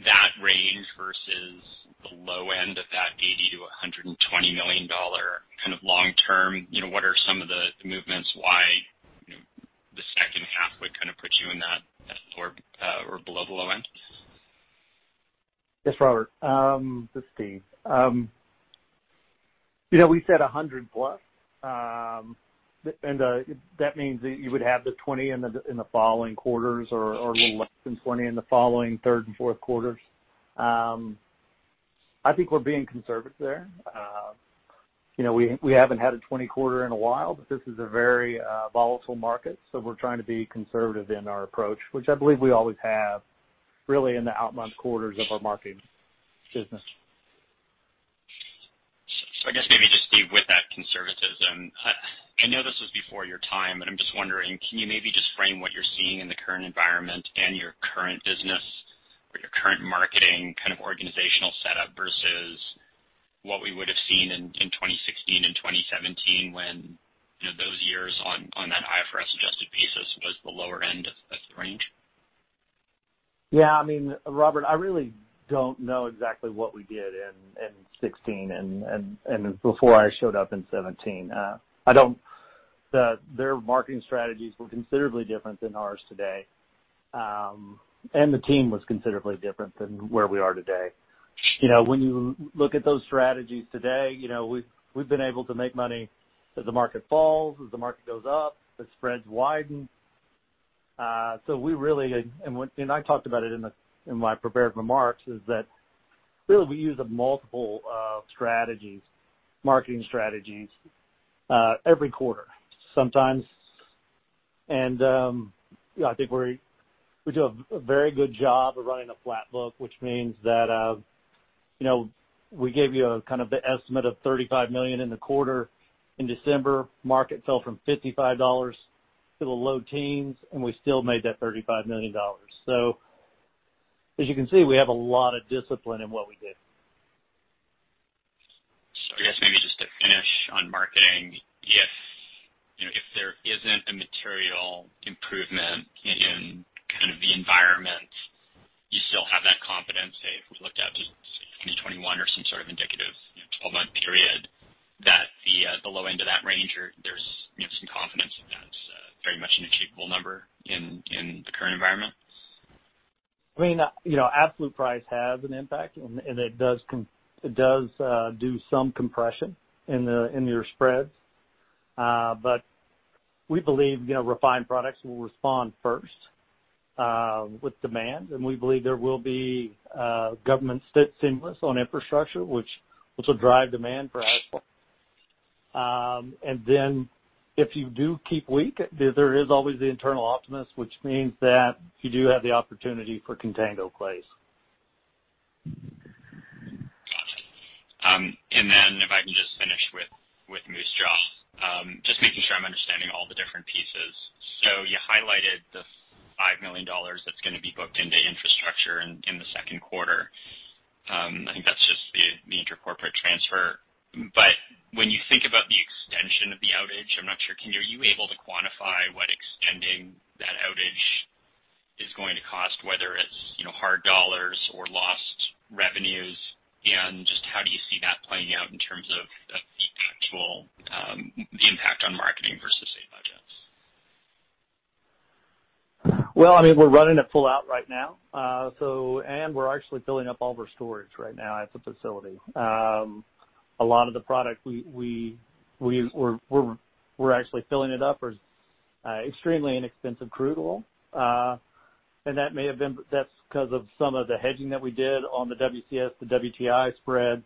that range versus the low end of that 80 million-120 million dollar kind of long term? What are some of the movements? Why the second half would kind of put you in that floor or below the low end? Yes, Robert. This is Steve. We said 100+, and that means that you would have the 20 in the following quarters or a little less than 20 in the following third and fourth quarters. I think we're being conservative there. We haven't had a 20 quarter in a while, but this is a very volatile market, so we're trying to be conservative in our approach, which I believe we always have, really in the out months quarters of our marketing business. I guess maybe just, Steve, with that conservatism, I know this was before your time, but I'm just wondering, can you maybe just frame what you're seeing in the current environment and your current business or your current marketing kind of organizational setup versus what we would've seen in 2016 and 2017 when those years on that IFRS-adjusted basis was the lower end of the range? Yeah. Robert, I really don't know exactly what we did in 2016 and before I showed up in 2017. Their marketing strategies were considerably different than ours today. The team was considerably different than where we are today. When you look at those strategies today, we've been able to make money as the market falls, as the market goes up, as spreads widen. I talked about it in my prepared remarks, is that, really, we use multiple marketing strategies every quarter sometimes. I think we do a very good job of running a flat book, which means that we gave you the estimate of 35 million in the quarter. In December, market fell from 55 dollars to the low teens, and we still made that 35 million dollars. As you can see, we have a lot of discipline in what we do. I guess maybe just to finish on marketing, if there isn't a material improvement in the environment, you still have that confidence, say, if we looked at say 2021 or some sort of indicative 12-month period, that the low end of that range, there's some confidence that that's very much an achievable number in the current environment? Absolute price has an impact, and it does do some compression in your spreads. We believe refined products will respond first with demand, and we believe there will be government stimulus on infrastructure, which will drive demand for asphalt. Then if you do keep weak, there is always the internal optimist, which means that you do have the opportunity for contango plays. Got you. If I can just finish with Moose Jaw. Just making sure I'm understanding all the different pieces. You highlighted the 5 million dollars that's going to be booked into infrastructure in the second quarter. I think that's just the intercorporate transfer. When you think about the extension of the outage, I'm not sure, are you able to quantify what extending that outage is going to cost, whether it's hard dollars or lost revenues? Just how do you see that playing out in terms of the impact on marketing versus, say, budgets? Well, we're running it full out right now. We're actually filling up all of our storage right now at the facility. A lot of the product we're actually filling it up is extremely inexpensive crude oil. That's because of some of the hedging that we did on the WCS to WTI spread,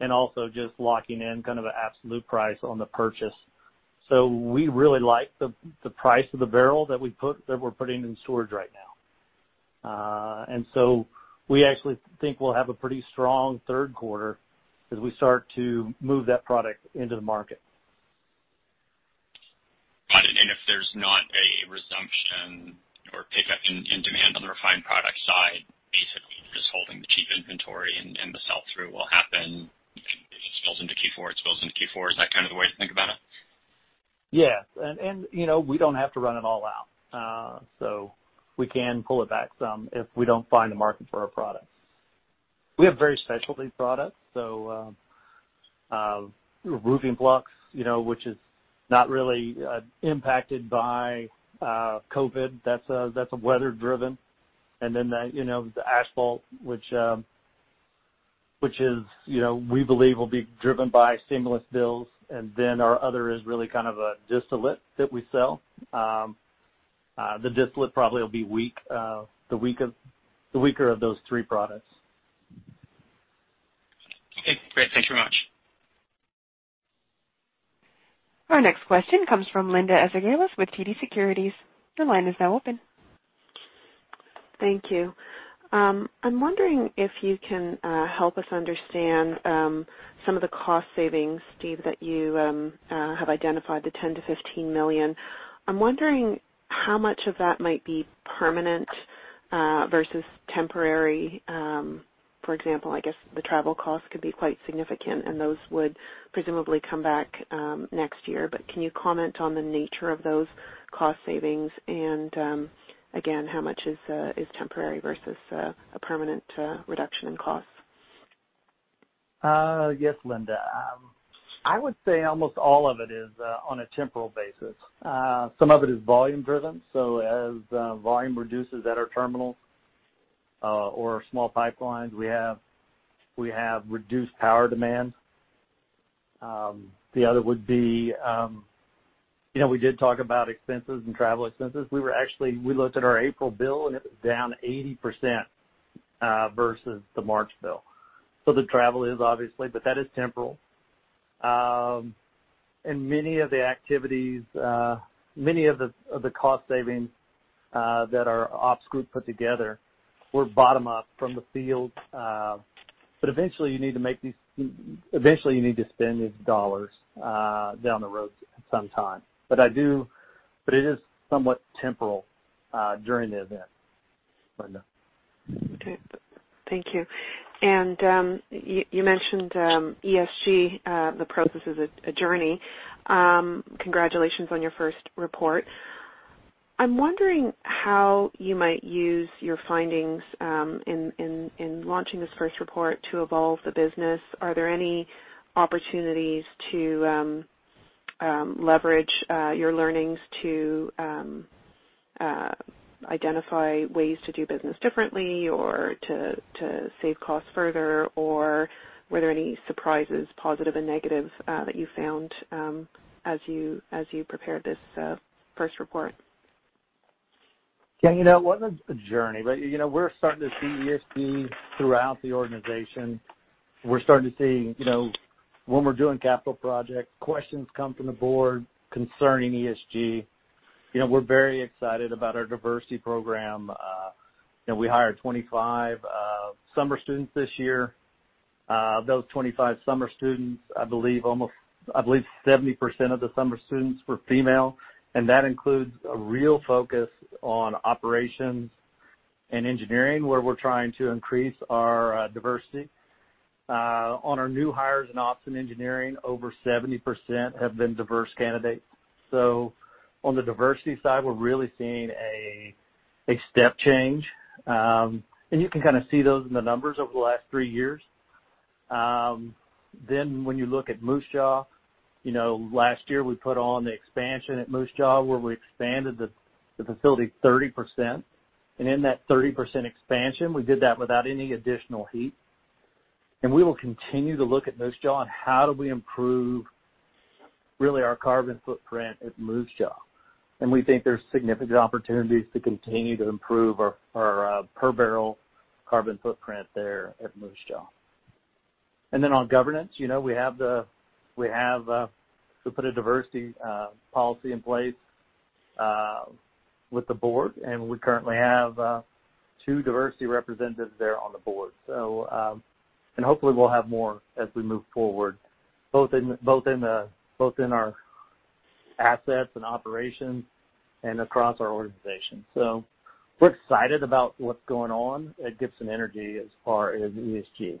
and also just locking in kind of an absolute price on the purchase. We really like the price of the barrel that we're putting in storage right now. We actually think we'll have a pretty strong third quarter as we start to move that product into the market. Got it. If there's not a resumption or pickup in demand on the refined product side, basically you're just holding the cheap inventory, and the sell-through will happen. If it spills into Q4, it spills into Q4. Is that kind of the way to think about it? Yeah. We don't have to run it all out. We can pull it back some if we don't find a market for our products. We have very specialty products. Roofing Flux, which is not really impacted by COVID, that's weather driven. The asphalt, which we believe will be driven by stimulus bills, and then our other is really kind of a distillate that we sell. The distillate probably will be the weaker of those three products. Okay, great. Thanks very much. Our next question comes from Linda Ezergailis with TD Securities. Your line is now open. Thank you. I'm wondering if you can help us understand some of the cost savings, Steve, that you have identified, the 10 million-15 million. I'm wondering how much of that might be permanent versus temporary. For example, I guess the travel costs could be quite significant, and those would presumably come back next year. Can you comment on the nature of those cost savings? Again, how much is temporary versus a permanent reduction in costs? Yes, Linda. I would say almost all of it is on a temporal basis. Some of it is volume driven. As volume reduces at our terminals or small pipelines, we have reduced power demand. The other would be, we did talk about expenses and travel expenses. We looked at our April bill, and it was down 80% versus the March bill. The travel is obviously, but that is temporal. Many of the cost savings that our ops group put together were bottom-up from the field. Eventually you need to spend these dollars down the road at some time. It is somewhat temporal during the event, Linda. Thank you. You mentioned ESG, the process is a journey. Congratulations on your first report. I'm wondering how you might use your findings in launching this first report to evolve the business. Are there any opportunities to leverage your learnings to identify ways to do business differently or to save costs further? Were there any surprises, positive and negative, that you found as you prepared this first report? Yeah. It wasn't a journey, we're starting to see ESG throughout the organization. We're starting to see when we're doing capital projects, questions come from the board concerning ESG. We're very excited about our diversity program. We hired 25 summer students this year. Of those 25 summer students, I believe 70% of the summer students were female, that includes a real focus on operations and engineering, where we're trying to increase our diversity. On our new hires in ops and engineering, over 70% have been diverse candidates. On the diversity side, we're really seeing a step change. You can kind of see those in the numbers over the last three years. When you look at Moose Jaw, last year we put on the expansion at Moose Jaw, where we expanded the facility 30%. In that 30% expansion, we did that without any additional heat. We will continue to look at Moose Jaw and how do we improve really our carbon footprint at Moose Jaw. We think there's significant opportunities to continue to improve our per barrel carbon footprint there at Moose Jaw. Then on governance, we put a diversity policy in place with the board, and we currently have two diversity representatives there on the board. Hopefully we'll have more as we move forward, both in our assets and operations and across our organization. We're excited about what's going on at Gibson Energy as far as ESG. Thank you.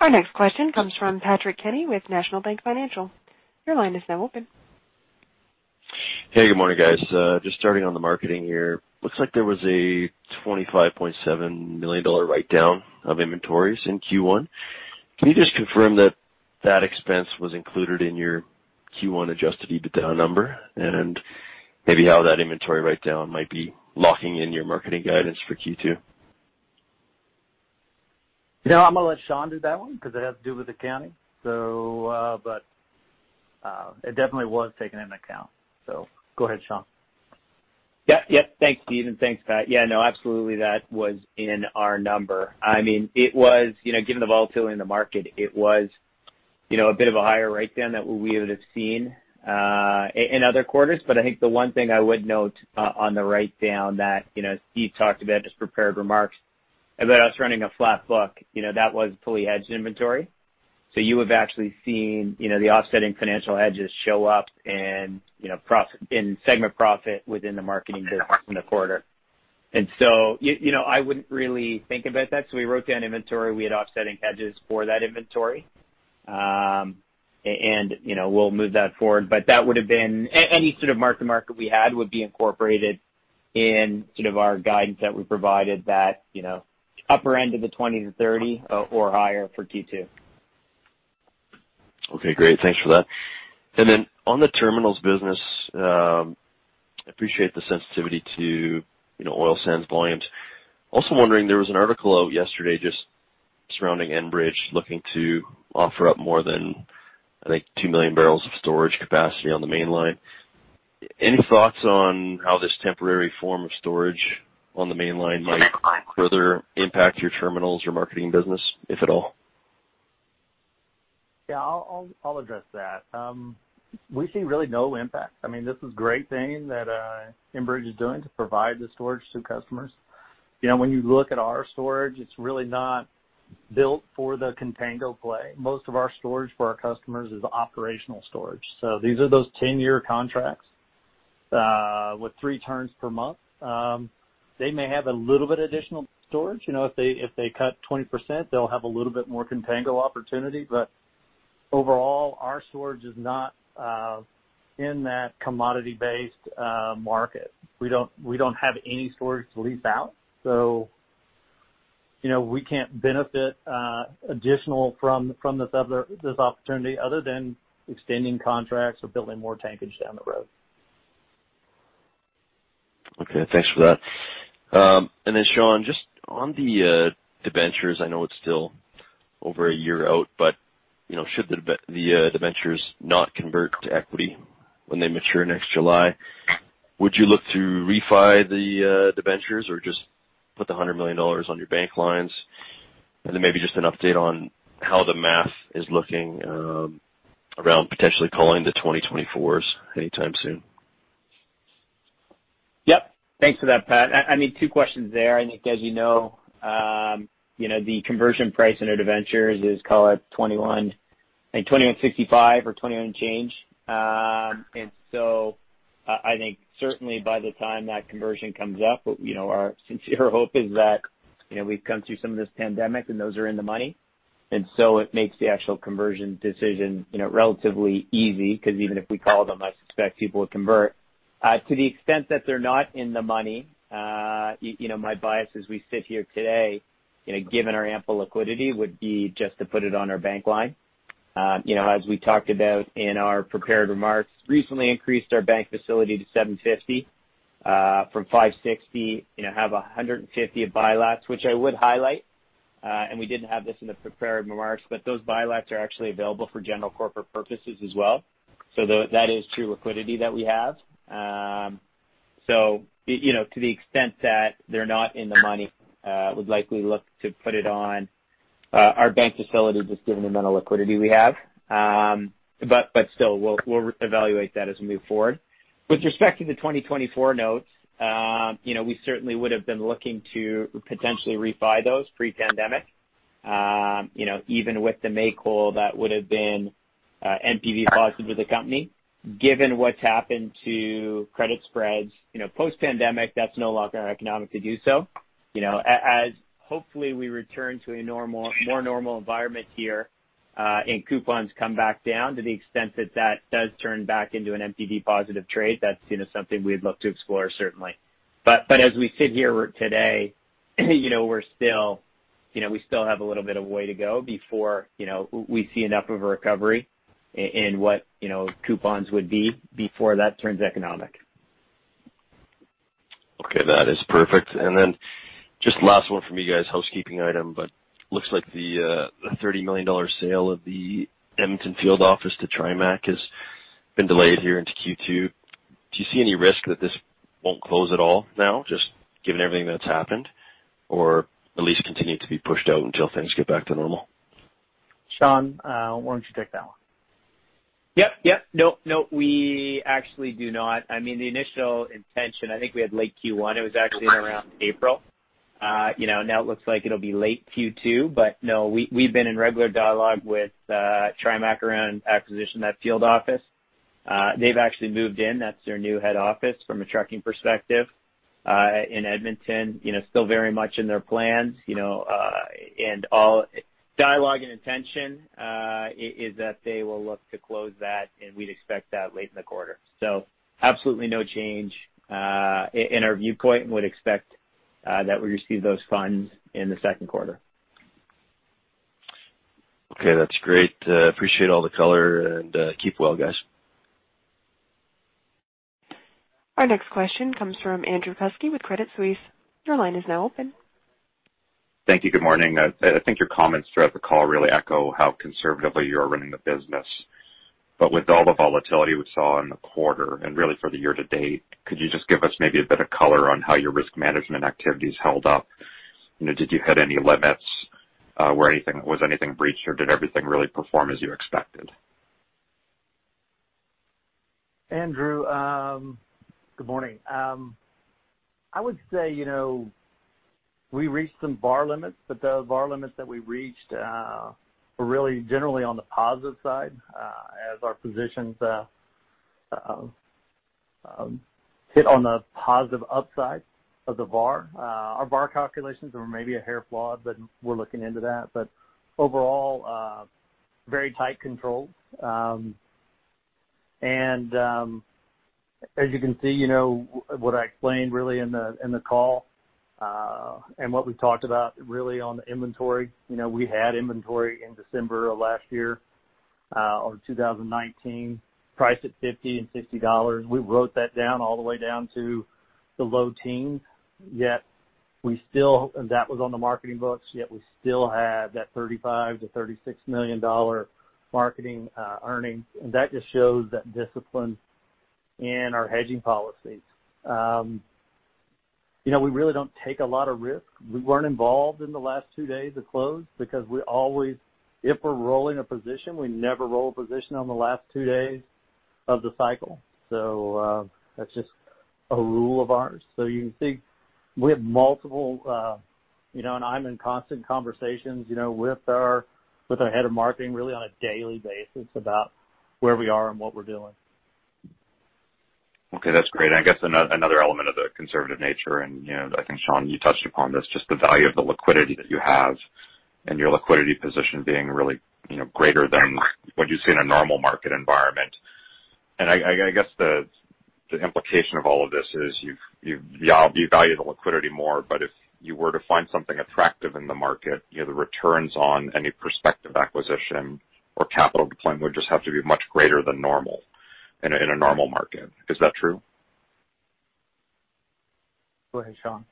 Our next question comes from Patrick Kenny with National Bank Financial. Your line is now open. Hey, good morning, guys. Just starting on the marketing year. Looks like there was a 25.7 million dollar write-down of inventories in Q1. Can you just confirm that that expense was included in your Q1 adjusted EBITDA number? Maybe how that inventory write-down might be locking in your marketing guidance for Q2. I'm going to let Sean do that one because it has to do with accounting. It definitely was taken into account. Go ahead, Sean. Yep. Thanks, Steve, and thanks, Pat. Yeah, no, absolutely that was in our number. Given the volatility in the market, it was a bit of a higher write-down than what we would have seen in other quarters. I think the one thing I would note on the write-down that Steve talked about in his prepared remarks, about us running a flat book. That was fully hedged inventory. You have actually seen the offsetting financial hedges show up in segment profit within the marketing business in the quarter. I wouldn't really think about that. We wrote down inventory. We had offsetting hedges for that inventory. We'll move that forward. Any sort of mark-to-market we had would be incorporated in our guidance that we provided that upper end of the 20-30 or higher for Q2. Okay, great. Thanks for that. On the terminals business, I appreciate the sensitivity to oil sands volumes. Also wondering, there was an article out yesterday just surrounding Enbridge looking to offer up more than, I think, 2 million bbl of storage capacity on the Mainline. Any thoughts on how this temporary form of storage on the Mainline might further impact your terminals or marketing business, if at all? I'll address that. We see really no impact. This is a great thing that Enbridge is doing to provide the storage to customers. When you look at our storage, it's really not built for the contango play. Most of our storage for our customers is operational storage. These are those 10-year contracts, with three turns per month. They may have a little bit additional storage. If they cut 20%, they'll have a little bit more contango opportunity. Overall, our storage is not in that commodity-based market. We don't have any storage to lease out. We can't benefit additional from this opportunity other than extending contracts or building more tankage down the road. Okay, thanks for that. Sean, just on the debentures, I know it's still over a year out, but should the debentures not convert to equity when they mature next July, would you look to refi the debentures or just put the 100 million dollars on your bank lines? Maybe just an update on how the math is looking around potentially calling the 2024s anytime soon. Yep. Thanks for that, Pat. Two questions there. I think as you know, the conversion price on our debentures is, call it 21.65 or 21 and change. I think certainly by the time that conversion comes up, our sincere hope is that we've come through some of this pandemic and those are in the money. It makes the actual conversion decision relatively easy, because even if we call them, I suspect people would convert. To the extent that they're not in the money, my bias as we sit here today, given our ample liquidity, would be just to put it on our bank line. As we talked about in our prepared remarks, recently increased our bank facility to 750 from 560, have 150 of bilats, which I would highlight. We didn't have this in the prepared remarks, those buybacks are actually available for general corporate purposes as well. That is true liquidity that we have. To the extent that they're not in the money, would likely look to put it on our bank facility, just given the amount of liquidity we have. Still, we'll evaluate that as we move forward. With respect to the 2024 notes, we certainly would've been looking to potentially refi those pre-pandemic. Even with the make-whole, that would've been NPV positive to the company. Given what's happened to credit spreads post-pandemic, that's no longer economic to do so. As hopefully we return to a more normal environment here, and coupons come back down to the extent that that does turn back into an NPV positive trade, that's something we'd look to explore certainly. As we sit here today, we still have a little bit of a way to go before we see enough of a recovery in what coupons would be before that turns economic. Okay, that is perfect. Just last one from me, guys, housekeeping item, looks like the 30 million dollar sale of the Edmonton field office to Trimac has been delayed here into Q2. Do you see any risk that this won't close at all now, just given everything that's happened? At least continue to be pushed out until things get back to normal? Sean, why don't you take that one? Yep. No, we actually do not. I mean, the initial intention, I think we had late Q1. It was actually around April. It looks like it'll be late Q2, no, we've been in regular dialogue with Trimac around acquisition of that field office. They've actually moved in. That's their new head office from a trucking perspective in Edmonton. Still very much in their plans. All dialogue and intention is that they will look to close that, and we'd expect that late in the quarter. Absolutely no change in our viewpoint, and would expect that we receive those funds in the second quarter. Okay. That's great. Appreciate all the color and keep well, guys. Our next question comes from Andrew Kuske with Credit Suisse. Your line is now open. Thank you. Good morning. I think your comments throughout the call really echo how conservatively you're running the business. With all the volatility we saw in the quarter, and really for the year to date, could you just give us maybe a bit of color on how your risk management activities held up? Did you hit any limits? Was anything breached, or did everything really perform as you expected? Andrew, good morning. I would say we reached some VaR limits, but the VaR limits that we reached were really generally on the positive side as our positions hit on the positive upside of the VaR. Our VaR calculations were maybe a hair flawed, but we're looking into that. Overall, very tight control. As you can see, what I explained really in the call, and what we talked about really on the inventory, we had inventory in December of last year, of 2019, priced at 50 and 60 dollars. We wrote that down all the way down to the low teens. That was on the marketing books, yet we still had that 35 million to 36 million dollar marketing earnings. That just shows that discipline in our hedging policies. We really don't take a lot of risk. We weren't involved in the last two days of close because if we're rolling a position, we never roll a position on the last two days of the cycle. That's just a rule of ours. You can see we have multiple and I'm in constant conversations with our head of marketing really on a daily basis about where we are and what we're doing. Okay, that's great. I guess another element of the conservative nature, and I think, Sean, you touched upon this, just the value of the liquidity that you have and your liquidity position being really greater than what you see in a normal market environment. I guess the implication of all of this is you value the liquidity more, but if you were to find something attractive in the market, the returns on any prospective acquisition or capital deployment would just have to be much greater than normal in a normal market. Is that true? Go ahead, Sean.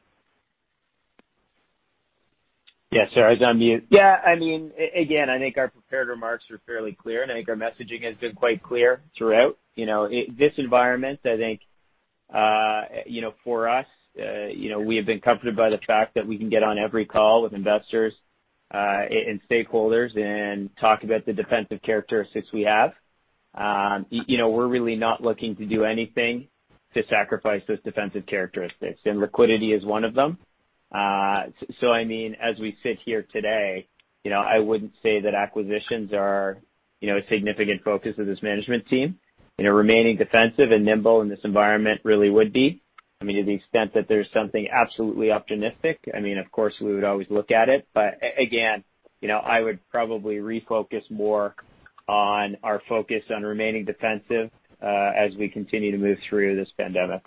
Sorry, I was on mute. Yeah. I think our prepared remarks are fairly clear, and I think our messaging has been quite clear throughout. This environment, I think for us, we have been comforted by the fact that we can get on every call with investors and stakeholders and talk about the defensive characteristics we have. We're really not looking to do anything to sacrifice those defensive characteristics, and liquidity is one of them. As we sit here today, I wouldn't say that acquisitions are a significant focus of this management team. Remaining defensive and nimble in this environment really would be. To the extent that there's something absolutely opportunistic, of course we would always look at it. Again, I would probably refocus more on our focus on remaining defensive as we continue to move through this pandemic.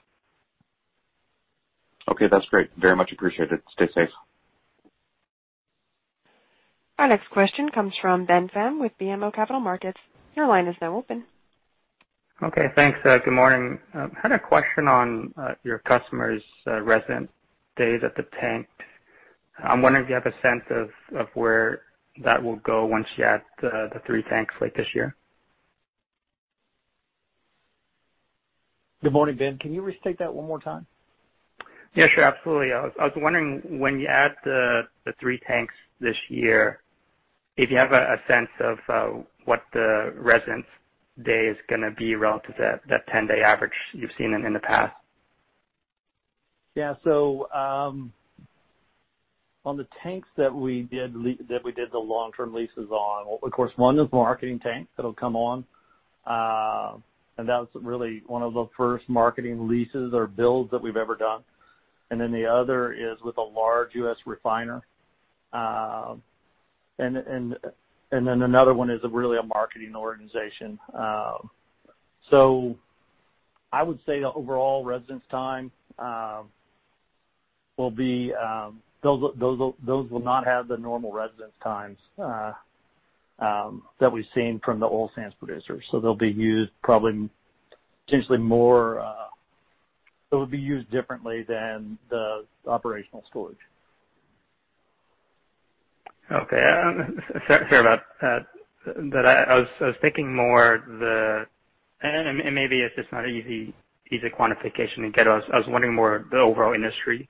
Okay. That's great. Very much appreciated. Stay safe. Our next question comes from Ben Pham with BMO Capital Markets. Your line is now open. Okay, thanks. Good morning. I had a question on your customers' resident days at the tank. I'm wondering if you have a sense of where that will go once you add the three tanks late this year. Good morning. Ben, can you restate that one more time? Yeah, sure. Absolutely. I was wondering when you add the three tanks this year if you have a sense of what the residence day is going to be relative to that 10-day average you've seen in the past. On the tanks that we did the long-term leases on, of course, one is a marketing tank that'll come on. That was really one of the first marketing leases or builds that we've ever done. The other is with a large U.S. refiner. Another one is really a marketing organization. I would say the overall residence time, those will not have the normal residence times that we've seen from the oil sands producers. They'll be used differently than the operational storage. Okay. Sorry about that. I was thinking more. Maybe it's just not an easy quantification to get. I was wondering more the overall industry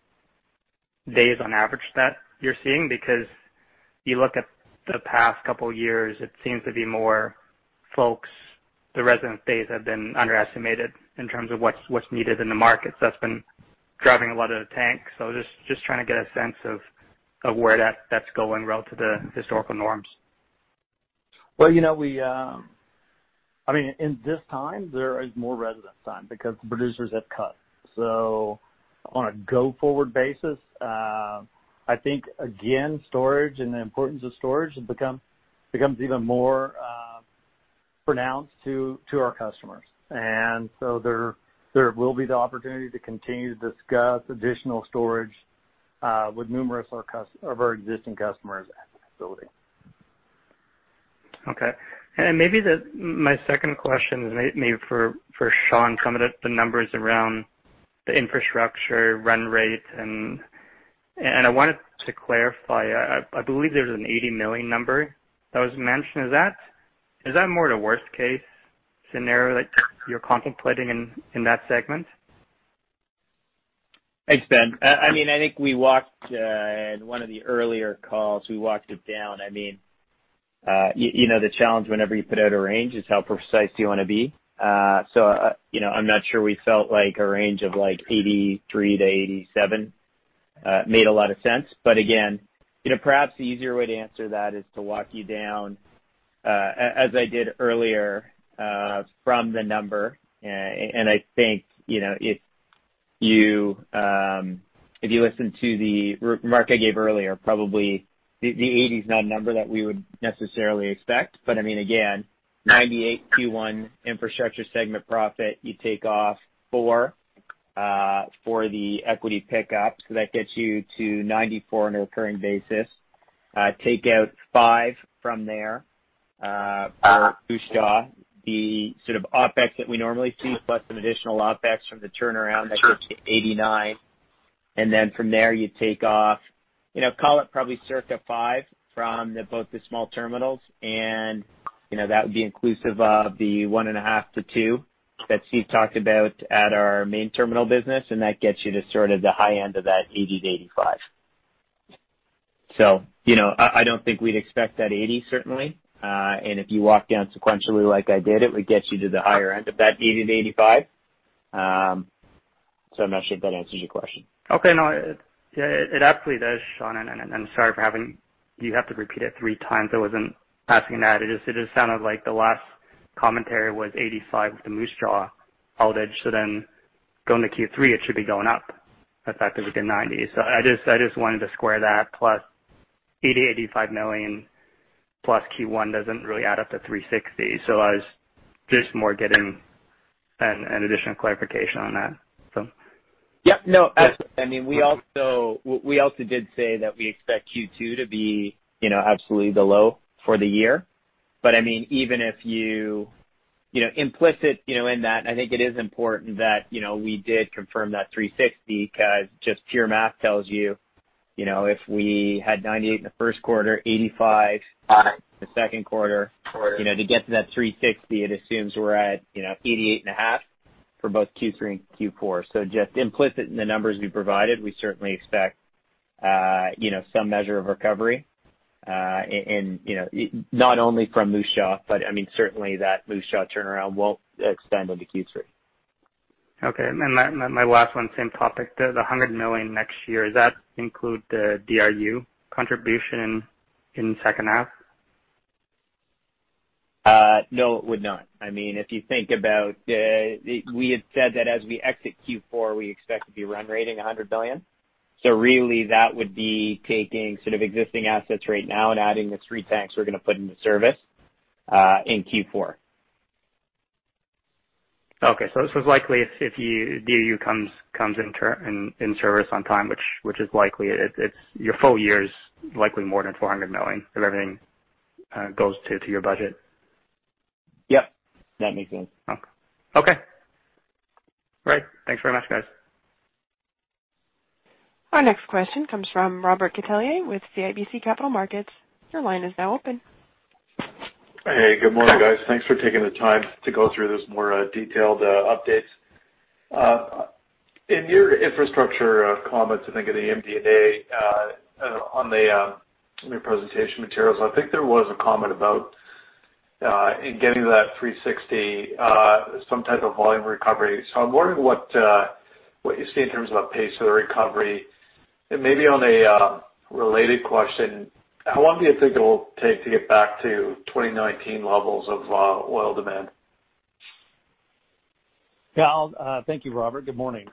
days on average that you're seeing, because you look at the past couple of years, it seems to be more folks, the residence days have been underestimated in terms of what's needed in the market. That's been driving a lot of the tanks. Just trying to get a sense of where that's going relative to historical norms. Well, in this time, there is more residence time because producers have cut. On a go-forward basis, I think, again, storage and the importance of storage becomes even more pronounced to our customers. There will be the opportunity to continue to discuss additional storage with numerous of our existing customers at the facility. Okay. Maybe my second question is maybe for Sean, some of the numbers around the infrastructure run rate. I wanted to clarify, I believe there was a 80 million number that was mentioned. Is that more the worst case scenario that you're contemplating in that segment? Thanks, Ben. I think in one of the earlier calls, we walked it down. The challenge whenever you put out a range is how precise do you want to be? I'm not sure we felt like a range of 83-87 made a lot of sense. Perhaps the easier way to answer that is to walk you down, as I did earlier, from the number. I think, if you listen to the remark I gave earlier, probably the 80 is not a number that we would necessarily expect. 98 Q1 infrastructure segment profit, you take off CAD four for the equity pickup. That gets you to 94 on a recurring basis. Take out CAD five from there for Moose Jaw, the sort of OpEx that we normally see, plus some additional OpEx from the turnaround that gets you to 89. From there, you take off, call it probably circa five from both the small terminals, That would be inclusive of the one and a half to two that Steve talked about at our main terminal business. That gets you to sort of the high end of that 80-85. I don't think we'd expect that 80, certainly. If you walk down sequentially like I did, it would get you to the higher end of that 80-85. I'm not sure if that answers your question? Okay. No, it absolutely does, Sean, and I'm sorry for having you have to repeat it three times. I wasn't asking that. It just sounded like the last commentary was 85 with the Moose Jaw outage. Going to Q3, it should be going up, effectively to 90. I just wanted to square that, plus 80 million, 85 million plus Q1 doesn't really add up to 360. I was just more getting an additional clarification on that. Yep. No, we also did say that we expect Q2 to be absolutely the low for the year. Implicit in that, I think it is important that we did confirm that 360 because just pure math tells you if we had 98 in the first quarter, 85 in the second quarter, to get to that 360, it assumes we're at 88 and a half for both Q3 and Q4. Just implicit in the numbers we provided, we certainly expect some measure of recovery, not only from Moose Jaw, but certainly that Moose Jaw turnaround won't extend into Q3. Okay. My last one, same topic. The 100 million next year, does that include the DRU contribution in the second half? No, it would not. If you think about we had said that as we exit Q4, we expect to be run rating 100 billion. Really, that would be taking sort of existing assets right now and adding the three tanks we're going to put into service in Q4. Okay. This was likely if DRU comes in service on time, which is likely, your full year is likely more than 400 million, if everything goes to your budget? Yep. That makes sense. Okay. Great. Thanks very much, guys. Our next question comes from Robert Catellier with CIBC Capital Markets. Your line is now open. Hey, good morning, guys. Thanks for taking the time to go through this more detailed updates. In your infrastructure comments, I think at the MD&A on your presentation materials, I think there was a comment about in getting that 360, some type of volume recovery. I'm wondering what you see in terms of a pace of the recovery. Maybe on a related question, how long do you think it will take to get back to 2019 levels of oil demand? Thank you, Robert. Good morning.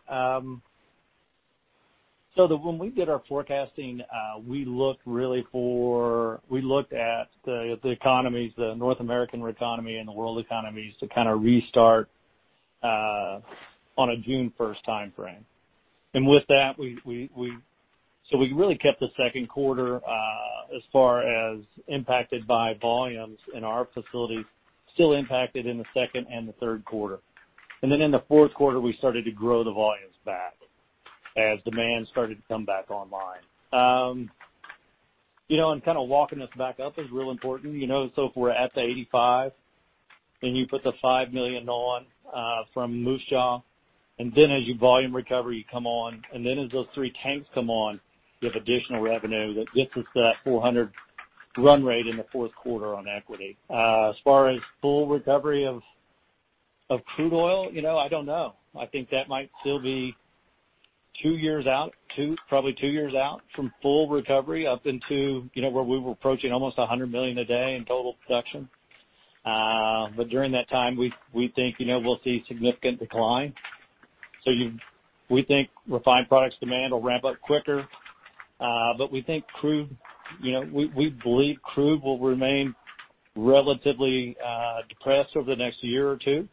When we did our forecasting, we looked at the economies, the North American economy and the world economies to kind of restart on a June 1st timeframe. With that, we really kept the second quarter, as far as impacted by volumes in our facilities, still impacted in the second and the third quarter. Then in the fourth quarter, we started to grow the volumes back as demand started to come back online. Kind of walking this back up is real important. If we're at the 85 and you put the 5 million on from Moose Jaw, then as your volume recovery come on, and then as those three tanks come on, you have additional revenue that gets us that 400 run rate in the fourth quarter on equity. As far as full recovery of crude oil, I don't know. I think that might still be two years out, probably two years out from full recovery up into where we were approaching almost 100 million a day in total production. During that time, we think we'll see significant decline. We think refined products demand will ramp up quicker. We believe crude will remain relatively depressed over the next year or two,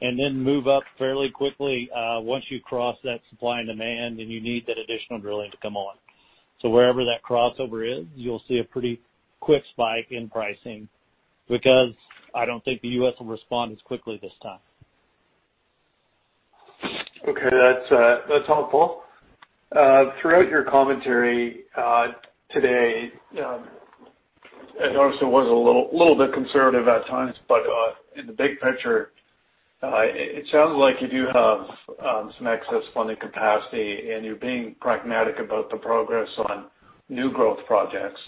and then move up fairly quickly once you cross that supply and demand, and you need that additional drilling to come on. Wherever that crossover is, you'll see a pretty quick spike in pricing, because I don't think the U.S. will respond as quickly this time. Okay, that's helpful. Throughout your commentary today, I noticed it was a little bit conservative at times, but in the big picture, it sounds like you do have some excess funding capacity and you're being pragmatic about the progress on new growth projects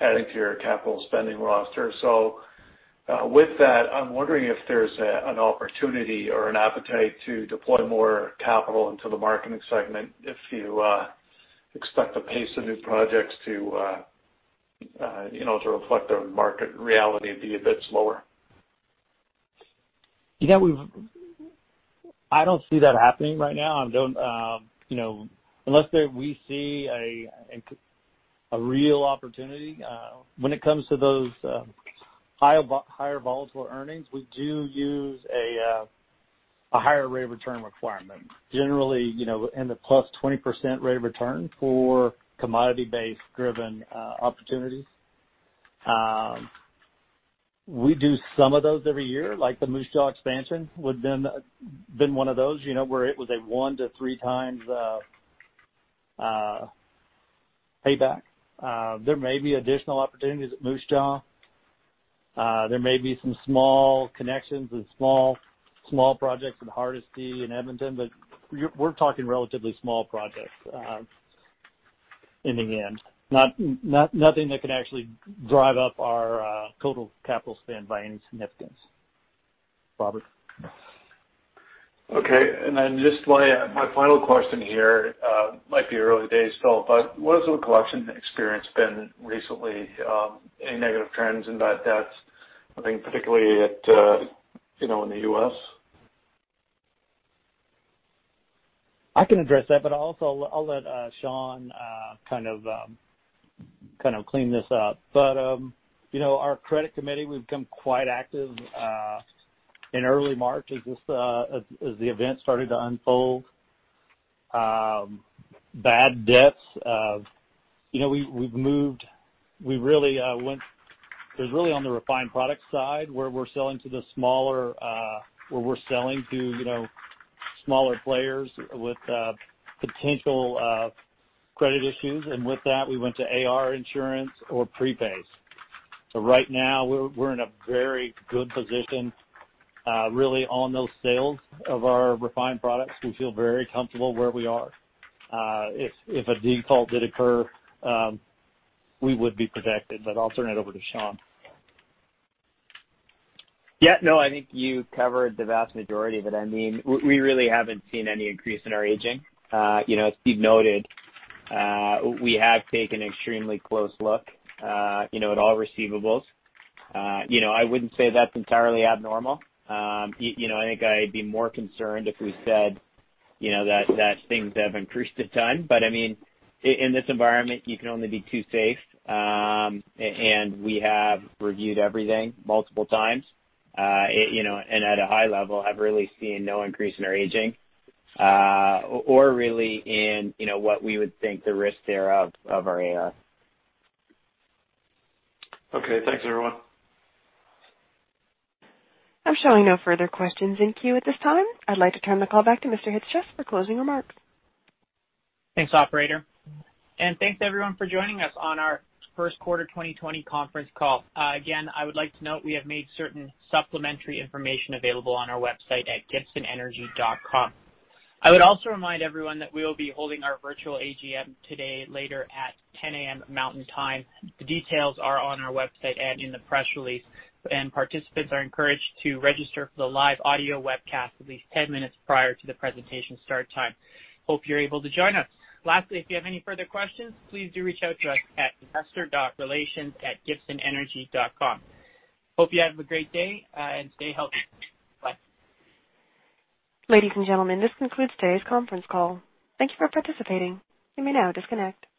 adding to your capital spending roster. With that, I'm wondering if there's an opportunity or an appetite to deploy more capital into the marketing segment if you expect the pace of new projects to reflect a market reality and be a bit slower. I don't see that happening right now. Unless we see a real opportunity. When it comes to those higher volatile earnings, we do use a higher rate of return requirement. Generally, in the +20% rate of return for commodity-based driven opportunities. We do some of those every year, like the Moose Jaw expansion would've been one of those, where it was a 1x to 3x payback. There may be additional opportunities at Moose Jaw. There may be some small connections and small projects in Hardisty in Edmonton, but we're talking relatively small projects in the end. Nothing that can actually drive up our total capital spend by any significance, Robert. Okay. Just my final question here. Might be early days still, but what has the collection experience been recently? Any negative trends in bad debts? I think particularly in the U.S. I can address that, but also I'll let Sean kind of clean this up. Our credit committee, we've become quite active in early March as the event started to unfold. Bad debts, it was really on the refined product side where we're selling to smaller players with potential credit issues. With that, we went to AR insurance or prepays. Right now, we're in a very good position really on those sales of our refined products. We feel very comfortable where we are. If a default did occur, we would be protected, but I'll turn it over to Sean. Yeah. No, I think you covered the vast majority of it. I mean, we really haven't seen any increase in our aging. As Steve noted, we have taken an extremely close look at all receivables. I wouldn't say that's entirely abnormal. I think I'd be more concerned if we said that things have increased a ton. I mean, in this environment, you can only be too safe. We have reviewed everything multiple times. At a high level, I've really seen no increase in our aging or really in what we would think the risk there of our AR. Okay. Thanks, everyone. I'm showing no further questions in queue at this time. I'd like to turn the call back to Mr. Chyc-Cies for closing remarks. Thanks, operator. Thanks everyone for joining us on our first quarter 2020 conference call. Again, I would like to note we have made certain supplementary information available on our website at gibsonenergy.com. I would also remind everyone that we will be holding our virtual AGM today later at 10:00 A.M. Mountain Time. The details are on our website and in the press release, and participants are encouraged to register for the live audio webcast at least 10 minutes prior to the presentation start time. Hope you're able to join us. Lastly, if you have any further questions, please do reach out to us at investor.relations@gibsonenergy.com. Hope you have a great day and stay healthy. Bye. Ladies and gentlemen, this concludes today's conference call. Thank you for participating. You may now disconnect.